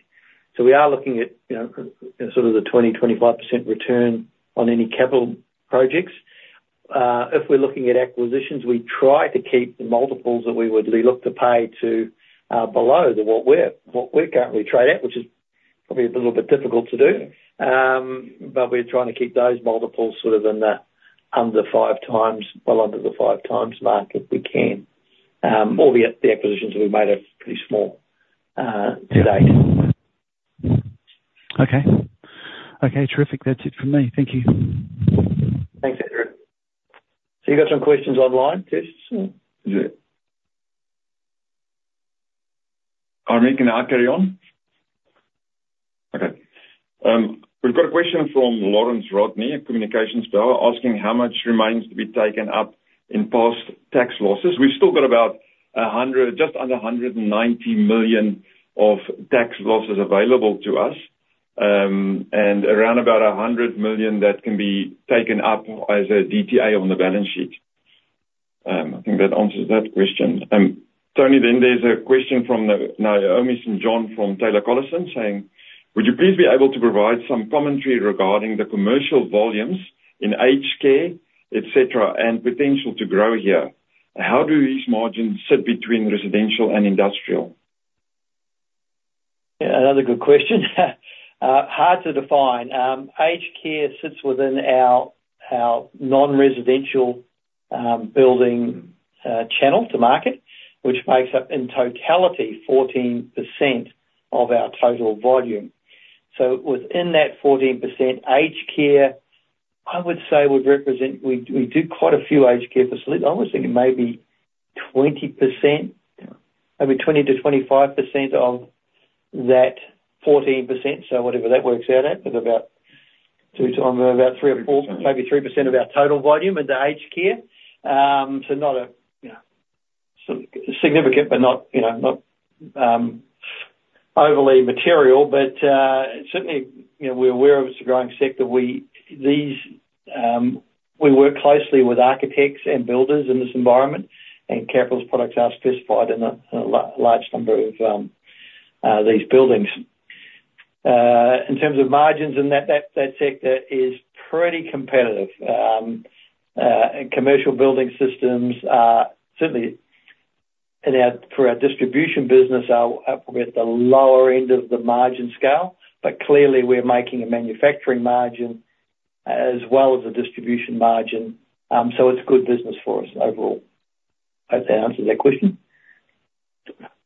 Speaker 2: So we are looking at sort of the 20%-25% return on any capital projects. If we're looking at acquisitions, we try to keep the multiples that we would look to pay to below what we're currently traded at, which is probably a little bit difficult to do. But we're trying to keep those multiples sort of under 5x well, under the 5x mark if we can, albeit the acquisitions that we've made are pretty small to date.
Speaker 4: Okay. Okay. Terrific. That's it from me. Thank you.
Speaker 2: Thanks, Andrew. You got some questions online, Tertius?
Speaker 3: Harmony, can I carry on? Okay. We've got a question from Lawrence Rodney, a communications power, asking how much remains to be taken up in past tax losses. We've still got just under 190 million of tax losses available to us and around about 100 million that can be taken up as a DTA on the balance sheet. I think that answers that question. Tony, then there's a question from Naomi St. John from Taylor Collison saying, "Would you please be able to provide some commentary regarding the commercial volumes in aged care, etc., and potential to grow here? How do these margins sit between residential and industrial?
Speaker 2: Yeah. Another good question. Hard to define. Aged care sits within our non-residential building channel to market, which makes up in totality 14% of our total volume. So within that 14%, aged care, I would say, would represent we do quite a few aged care facilities. I always think it may be 20%, maybe 20%-25% of that 14%, so whatever that works out at, about 3 or 4, maybe 3% of our total volume into aged care. So not significant, but not overly material. But certainly, we're aware of it's a growing sector. We work closely with architects and builders in this environment, and Capral's products are specified in a large number of these buildings. In terms of margins in that sector, it is pretty competitive. Commercial building systems, certainly for our distribution business, are probably at the lower end of the margin scale. But clearly, we're making a manufacturing margin as well as a distribution margin. So it's good business for us overall. I hope that answers that question.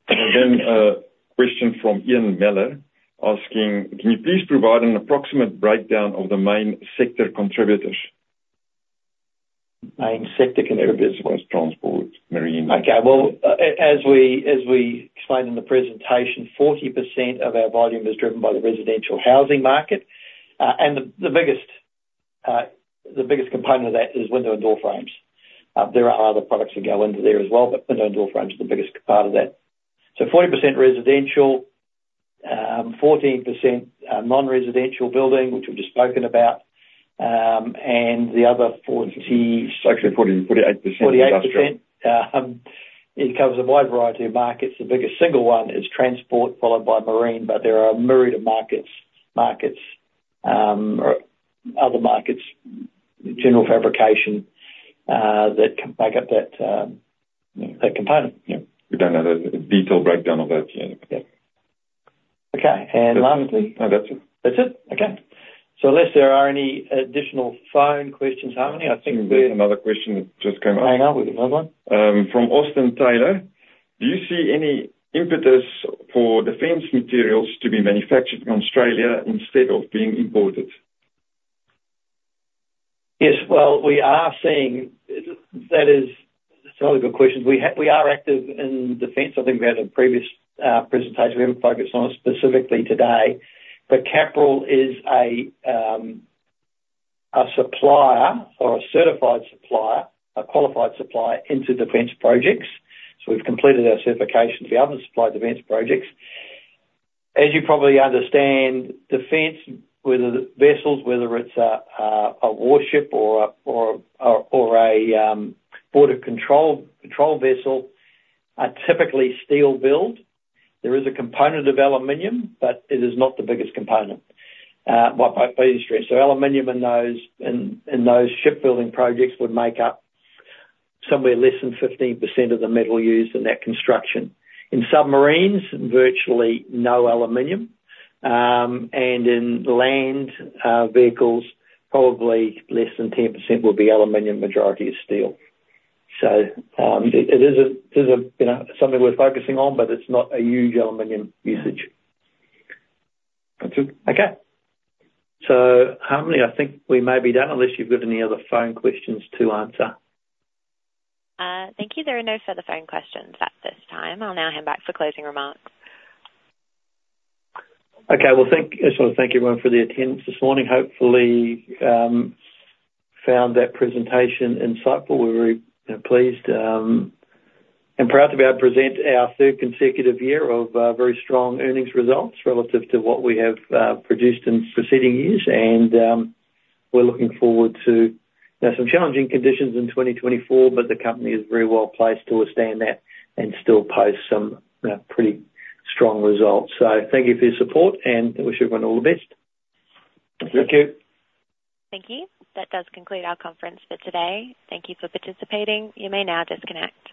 Speaker 3: And then a question from Ian Miller asking, "Can you please provide an approximate breakdown of the main sector contributors?
Speaker 2: Main sector contributors.
Speaker 3: Transport, marine.
Speaker 2: Okay. Well, as we explained in the presentation, 40% of our volume is driven by the residential housing market. And the biggest component of that is window and door frames. There are other products that go into there as well, but window and door frames are the biggest part of that. So 40% residential, 14% non-residential building, which we've just spoken about, and the other 40%.
Speaker 3: Sorry, sorry. 40%-48% industrial.
Speaker 2: 48%. It covers a wide variety of markets. The biggest single one is transport, followed by marine, but there are a myriad of markets, other markets, general fabrication that back up that component.
Speaker 3: Yeah. We've done a detailed breakdown of that.
Speaker 2: Yeah. Okay. And lastly.
Speaker 3: No, that's it.
Speaker 2: That's it? Okay. So unless there are any additional phone questions, Harmony, I think we're.
Speaker 3: There's another question that just came up.
Speaker 2: Hang on. We've got another one.
Speaker 3: From Austin Taylor, "Do you see any impetus for defense materials to be manufactured in Australia instead of being imported?
Speaker 2: Yes. Well, those are totally good questions. We are active in defense. I think we had a previous presentation. We haven't focused on it specifically today. But Capral is a supplier or a certified supplier, a qualified supplier into defense projects. So we've completed our certification to be able to supply defense projects. As you probably understand, defense vessels, whether it's a warship or a border control vessel, are typically steel-built. There is a component of aluminium, but it is not the biggest component by any stretch. So aluminium in those shipbuilding projects would make up somewhere less than 15% of the metal used in that construction. In submarines, virtually no aluminium. And in land vehicles, probably less than 10% would be aluminium. Majority is steel. So it is something we're focusing on, but it's not a huge aluminium usage.
Speaker 3: That's it.
Speaker 2: Okay. So, Harmony, I think we may be done unless you've got any other phone questions to answer.
Speaker 1: Thank you. There are no further phone questions at this time. I'll now hand back for closing remarks.
Speaker 2: Okay. Well, I just want to thank everyone for the attendance this morning. Hopefully, found that presentation insightful. We're very pleased and proud to be able to present our third consecutive year of very strong earnings results relative to what we have produced in preceding years. We're looking forward to some challenging conditions in 2024, but the company is very well placed to withstand that and still post some pretty strong results. So thank you for your support, and I wish everyone all the best.
Speaker 3: Thank you.
Speaker 1: Thank you. That does conclude our conference for today. Thank you for participating. You may now disconnect.